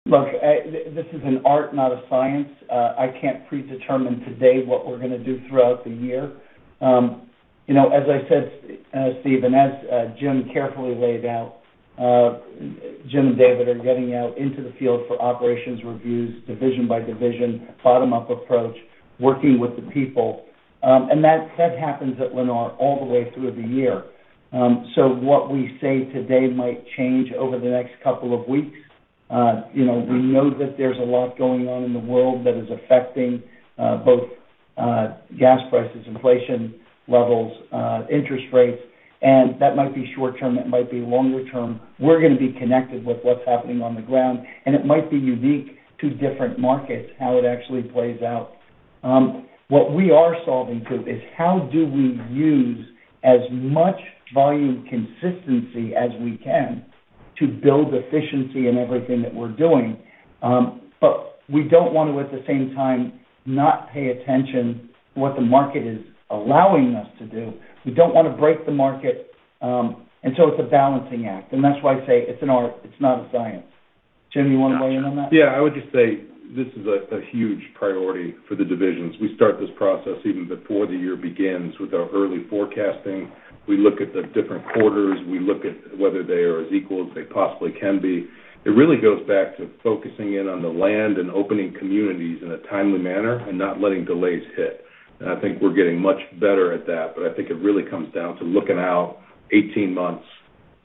Look, this is an art, not a science. I can't predetermine today what we're gonna do throughout the year. You know, as I said, Stephen, and as Jim carefully laid out, Jim and David are getting out into the field for operations reviews division by division, bottom-up approach, working with the people. That happens at Lennar all the way through the year. What we say today might change over the next couple of weeks. You know, we know that there's a lot going on in the world that is affecting both gas prices, inflation levels, interest rates, and that might be short-term, it might be longer-term. We're gonna be connected with what's happening on the ground, and it might be unique to different markets, how it actually plays out. What we are solving to is how do we use as much volume consistency as we can to build efficiency in everything that we're doing. We don't want to, at the same time, not pay attention to what the market is allowing us to do. We don't want to break the market. It's a balancing act, and that's why I say it's an art, it's not a science. Jim, you wanna weigh in on that? Yeah, I would just say this is a huge priority for the divisions. We start this process even before the year begins with our early forecasting. We look at the different quarters. We look at whether they are as equal as they possibly can be. It really goes back to focusing in on the land and opening communities in a timely manner and not letting delays hit. I think we're getting much better at that, but I think it really comes down to looking out 18 months,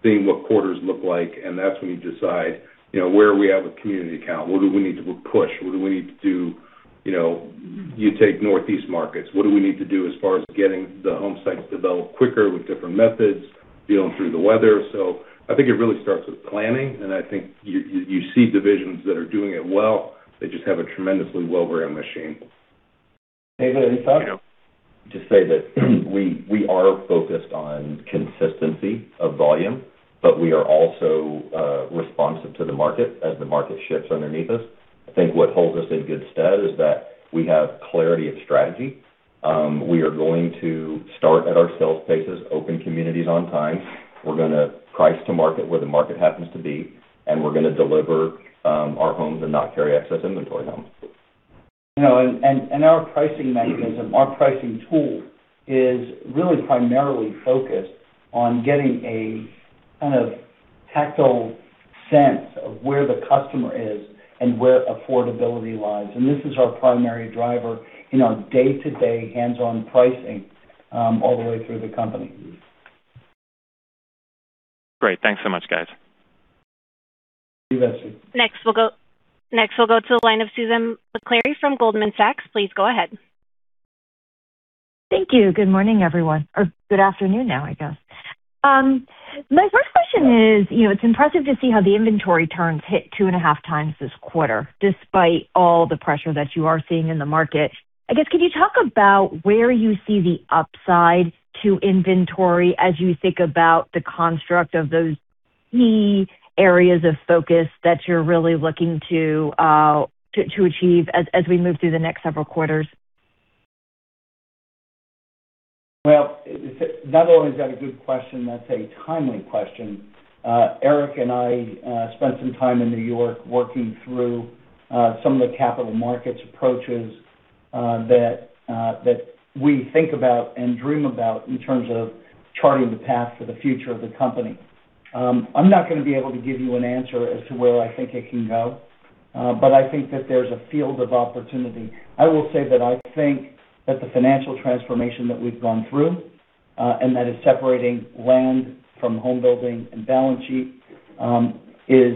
seeing what quarters look like, and that's when you decide, you know, where we have a community count, what do we need to push? What do we need to do? You know, you take Northeast markets. What do we need to do as far as getting the home sites developed quicker with different methods, dealing through the weather? I think it really starts with planning, and I think you see divisions that are doing it well. They just have a tremendously well-oiled machine. David, any thoughts? To say that we are focused on consistency of volume, but we are also responsive to the market as the market shifts underneath us. I think what holds us in good stead is that we have clarity of strategy. We are going to start at our sales paces, open communities on time. We're gonna price to market where the market happens to be, and we're gonna deliver our homes and not carry excess inventory homes. You know, our pricing mechanism, our pricing tool is really primarily focused on getting a kind of tactile sense of where the customer is and where affordability lies. This is our primary driver in our day-to-day hands-on pricing, all the way through the company. Great. Thanks so much, guys. You bet. Next, we'll go to the line of Susan Maklari from Goldman Sachs. Please go ahead. Thank you. Good morning, everyone. Or good afternoon now, I guess. My first question is, you know, it's impressive to see how the inventory turns hit two and a half times this quarter, despite all the pressure that you are seeing in the market. I guess, could you talk about where you see the upside to inventory as you think about the construct of those key areas of focus that you're really looking to achieve as we move through the next several quarters? Well, not only is that a good question, that's a timely question. Eric and I spent some time in New York working through some of the capital markets approaches that we think about and dream about in terms of charting the path for the future of the company. I'm not gonna be able to give you an answer as to where I think it can go, but I think that there's a field of opportunity. I will say that I think that the financial transformation that we've gone through and that is separating land from home building and balance sheet is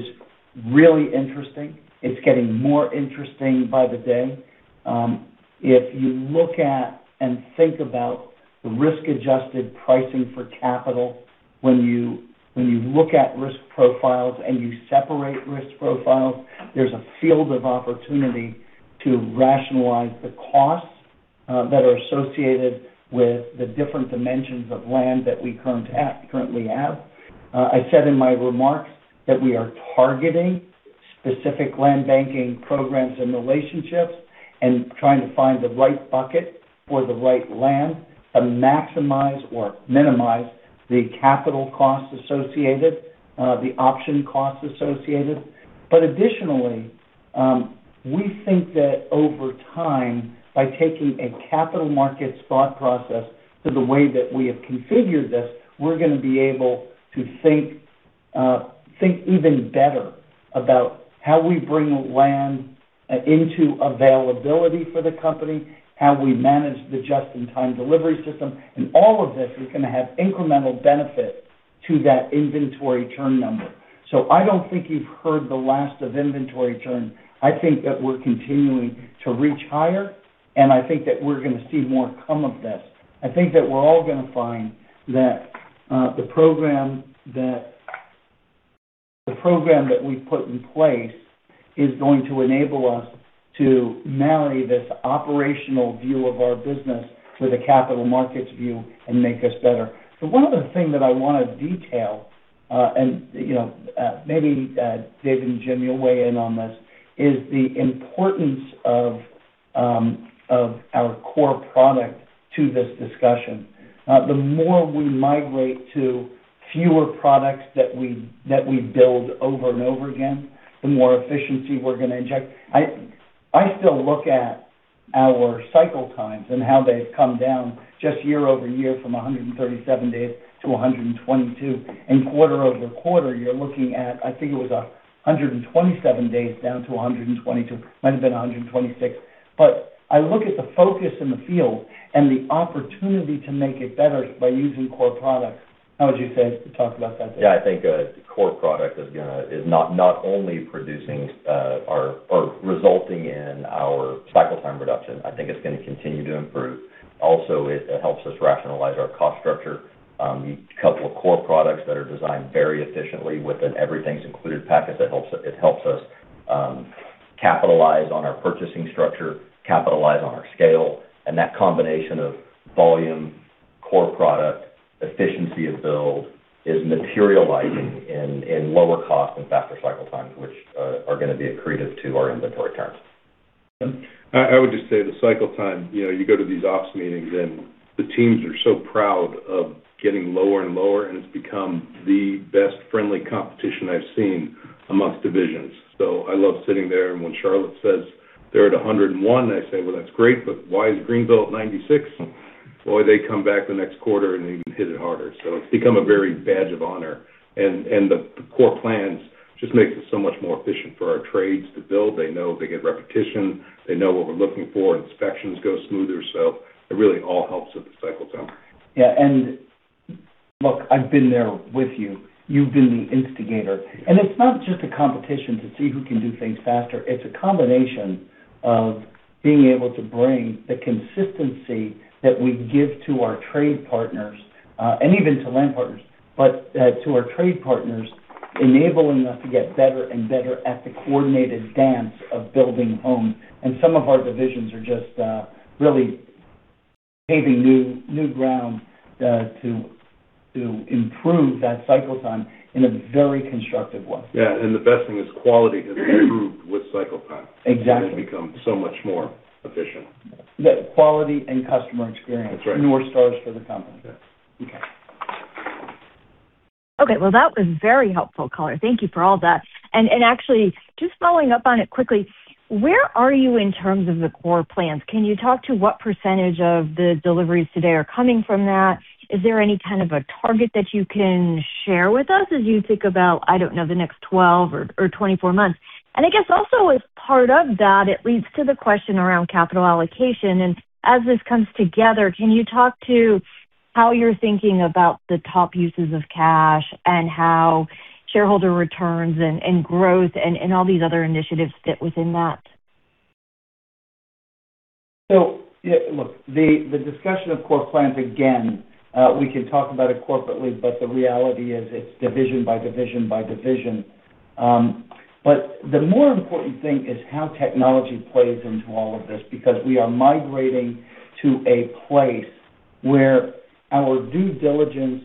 really interesting. It's getting more interesting by the day. If you look at and think about the risk-adjusted pricing for capital, when you look at risk profiles and you separate risk profiles, there's a field of opportunity to rationalize the costs that are associated with the different dimensions of land that we currently have. I said in my remarks that we are targeting specific land banking programs and relationships and trying to find the right bucket for the right land and maximize or minimize the capital costs associated, the option costs associated. Additionally, we think that over time, by taking a capital markets thought process to the way that we have configured this, we're gonna be able to think even better about how we bring land into availability for the company, how we manage the just-in-time delivery system, and all of this is gonna have incremental benefit to that inventory turn number. I don't think you've heard the last of inventory turn. I think that we're continuing to reach higher, and I think that we're gonna see more come of this. I think that we're all gonna find that the program that we've put in place is going to enable us to marry this operational view of our business with a capital markets view and make us better. One other thing that I wanna detail, and, you know, maybe, Dave and Jim, you'll weigh in on this, is the importance of our core product to this discussion. The more we migrate to fewer products that we build over and over again, the more efficiency we're gonna inject. I still look at our cycle times and how they've come down just year-over-year from 137 days to 122. Quarter-over-quarter, you're looking at, I think it was 127 days down to 122. Might have been 126. I look at the focus in the field and the opportunity to make it better by using core products. How would you say. Talk about that, David? Yeah. I think a core product is not only producing or resulting in our cycle time reduction. I think it's gonna continue to improve. Also, it helps us rationalize our cost structure. A couple of core products that are designed very efficiently with an Everything's Included package that helps us capitalize on our purchasing structure, capitalize on our scale, and that combination of volume, core product, efficiency of build is materializing in lower cost and faster cycle times, which are gonna be accretive to our inventory turns. Jim? I would just say the cycle time, you know, you go to these ops meetings, and the teams are so proud of getting lower and lower, and it's become the best friendly competition I've seen amongst divisions. I love sitting there, and when Charlotte says they're at 101, I say, "Well, that's great, but why is Greenville at 96?" Boy, they come back the next quarter, and they even hit it harder. It's become a very badge of honor, and the core plans just makes it so much more efficient for our trades to build. They know they get repetition. They know what we're looking for. Inspections go smoother, so it really all helps with the cycle time. Yeah. Look, I've been there with you. You've been the instigator. It's not just a competition to see who can do things faster. It's a combination of being able to bring the consistency that we give to our trade partners and even to land partners, but to our trade partners, enabling us to get better and better at the coordinated dance of building homes. Some of our divisions are just really paving new ground to improve that cycle time in a very constructive way. Yeah. The best thing is quality has improved with cycle time. Exactly. They've become so much more efficient. Yeah, quality and customer experience. That's right. North Stars for the company. Yes. Okay. Okay. Well, that was very helpful color. Thank you for all that. Actually, just following up on it quickly, where are you in terms of the core plans? Can you talk to what percentage of the deliveries today are coming from that? Is there any kind of a target that you can share with us as you think about, I don't know, the next 12 or 24 months? I guess also as part of that, it leads to the question around capital allocation. As this comes together, can you talk to how you're thinking about the top uses of cash and how shareholder returns and growth and all these other initiatives fit within that? The discussion of core plans, again, we can talk about it corporately, but the reality is it's division by division by division. The more important thing is how technology plays into all of this because we are migrating to a place where our due diligence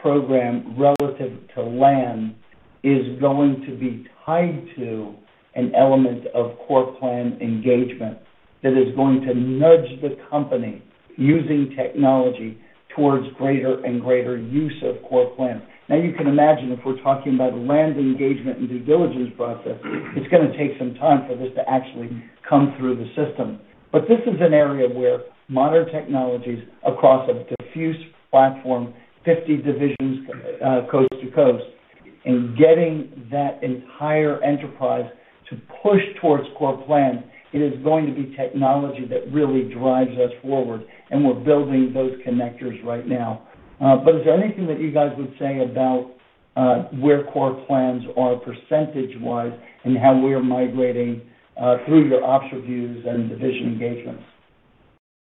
program relative to land is going to be tied to an element of core plan engagement that is going to nudge the company using technology towards greater and greater use of core plan. Now you can imagine if we're talking about land engagement and due diligence process, it's gonna take some time for this to actually come through the system. This is an area where modern technologies across a diffuse platform, 50 divisions, coast to coast. In getting that entire enterprise to push towards core plans, it is going to be technology that really drives us forward, and we're building those connectors right now. Is there anything that you guys would say about where core plans are percentage-wise and how we are migrating through your ops reviews and division engagements?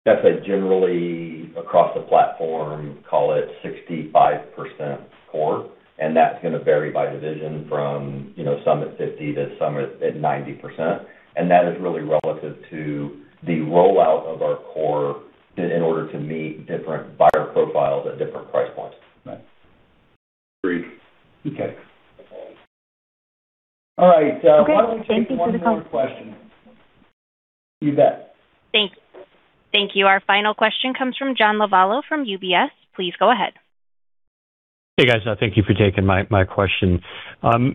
That's generally across the platform, call it 65%-odd, and that's gonna vary by division from, you know, some at 50% to some at 90%. That is really relative to the rollout of our core in order to meet different buyer profiles at different price points. Right. Agreed. Okay. All right. Okay. Thank you for the. Why don't we take one more question. You bet. Thank you. Our final question comes from John Lovallo from UBS. Please go ahead. Hey, guys. Thank you for taking my question.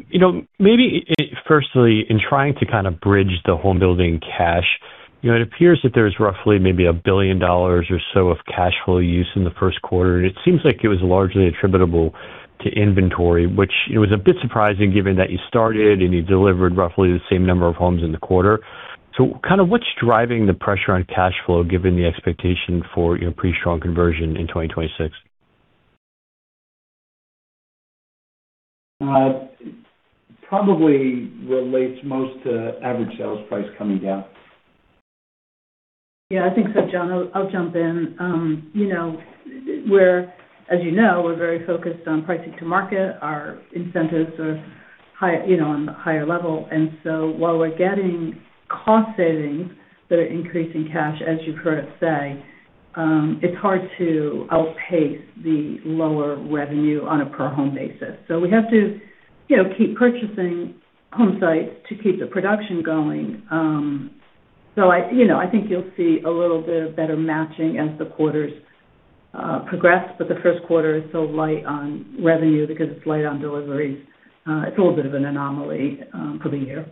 You know, maybe firstly, in trying to kinda bridge the Homebuilding cash, you know, it appears that there's roughly maybe $1 billion or so of cash flow use in the first quarter. It seems like it was largely attributable to inventory, which it was a bit surprising given that you started and you delivered roughly the same number of homes in the quarter. Kind of what's driving the pressure on cash flow given the expectation for, you know, pretty strong conversion in 2026? Probably relates most to average sales price coming down. Yeah, I think so, John. I'll jump in. You know, as you know, we're very focused on pricing to market. Our incentives are high, you know, on the higher level. While we're getting cost savings that are increasing cash, as you heard say, it's hard to outpace the lower revenue on a per home basis. We have to, you know, keep purchasing home sites to keep the production going. I think you'll see a little bit of better matching as the quarters progress, but the first quarter is so light on revenue because it's light on deliveries. It's a little bit of an anomaly for the year.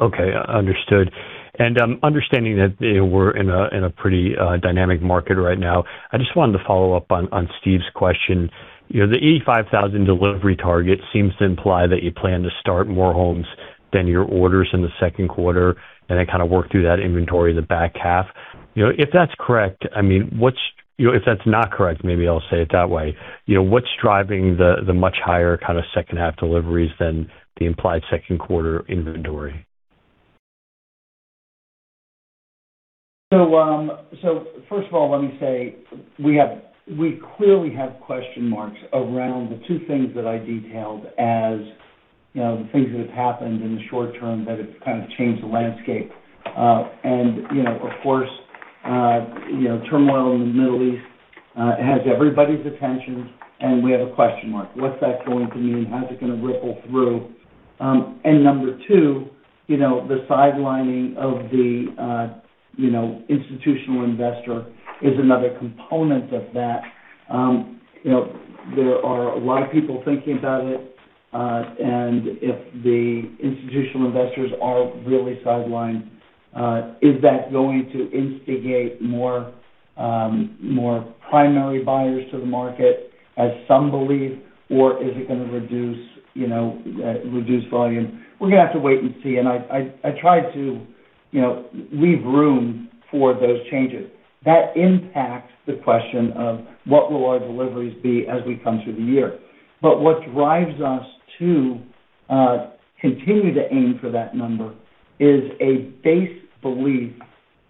Okay. Understood. Understanding that we're in a pretty dynamic market right now, I just wanted to follow up on Steve's question. You know, the 85,000 delivery target seems to imply that you plan to start more homes than your orders in the second quarter, and then kinda work through that inventory in the back half. You know, if that's correct, I mean, what's You know, if that's not correct, maybe I'll say it that way. You know, what's driving the much higher kinda second half deliveries than the implied second quarter inventory? First of all, let me say we clearly have question marks around the two things that I detailed as, you know, the things that have happened in the short term that have kind of changed the landscape. You know, of course, you know, turmoil in the Middle East has everybody's attention, and we have a question mark. What's that going to mean? How's it gonna ripple through? Number two, you know, the sidelining of the, you know, institutional investor is another component of that. You know, there are a lot of people thinking about it, and if the institutional investors are really sidelined, is that going to instigate more primary buyers to the market, as some believe, or is it gonna reduce, you know, reduce volume? We're gonna have to wait and see. I try to, you know, leave room for those changes. That impacts the question of what will our deliveries be as we come through the year. What drives us to continue to aim for that number is a base belief,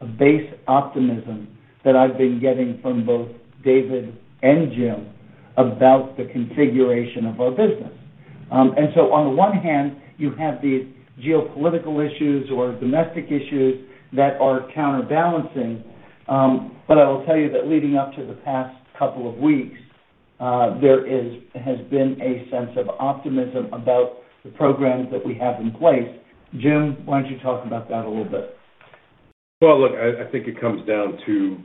a base optimism that I've been getting from both David and Jim about the configuration of our business. On the one hand, you have these geopolitical issues or domestic issues that are counterbalancing. I will tell you that leading up to the past couple of weeks, has been a sense of optimism about the programs that we have in place. Jim, why don't you talk about that a little bit? Well, look, I think it comes down to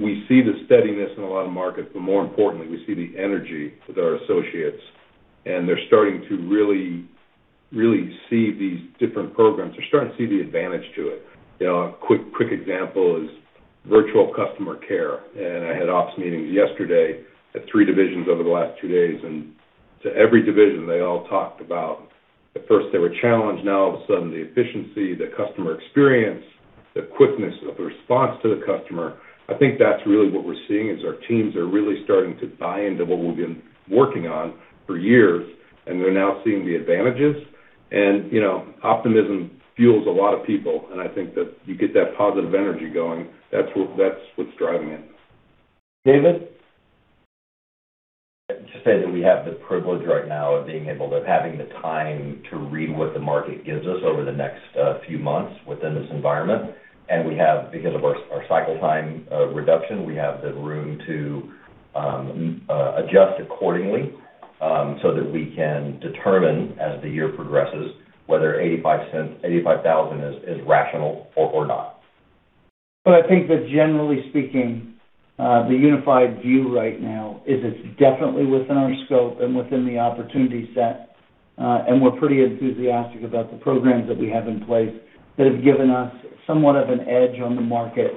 we see the steadiness in a lot of markets, but more importantly, we see the energy with our associates, and they're starting to really see these different programs. They're starting to see the advantage to it. You know, a quick example is virtual customer care. I had ops meetings yesterday at three divisions over the last two days, and to every division, they all talked about, at first, they were challenged, now all of a sudden, the efficiency, the customer experience, the quickness of the response to the customer. I think that's really what we're seeing is our teams are really starting to buy into what we've been working on for years, and they're now seeing the advantages. You know, optimism fuels a lot of people, and I think that you get that positive energy going. That's what's driving it. David? Just say that we have the privilege right now of having the time to read what the market gives us over the next few months within this environment. We have, because of our cycle time reduction, the room to adjust accordingly, so that we can determine as the year progresses whether 85,000 is rational or not. I think that generally speaking, the unified view right now is it's definitely within our scope and within the opportunity set, and we're pretty enthusiastic about the programs that we have in place that have given us somewhat of an edge on the market.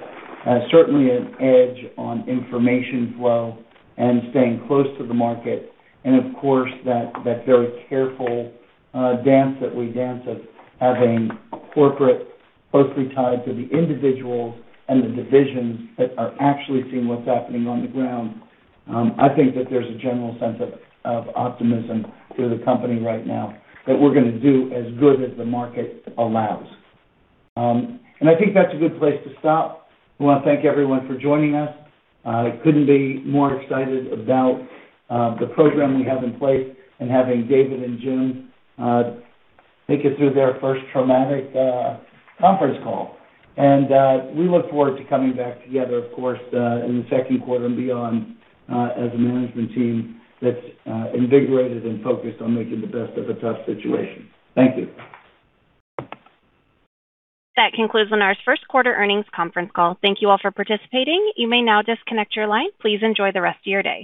Certainly an edge on information flow and staying close to the market. Of course, that very careful dance that we dance of having corporate closely tied to the individuals and the divisions that are actually seeing what's happening on the ground. I think that there's a general sense of optimism through the company right now that we're gonna do as good as the market allows. I think that's a good place to stop. We wanna thank everyone for joining us. Couldn't be more excited about the program we have in place and having David and Jim make it through their first traumatic conference call. We look forward to coming back together, of course, in the second quarter and beyond, as a management team that's invigorated and focused on making the best of a tough situation. Thank you. That concludes Lennar's first quarter earnings conference call. Thank you all for participating. You may now disconnect your line. Please enjoy the rest of your day.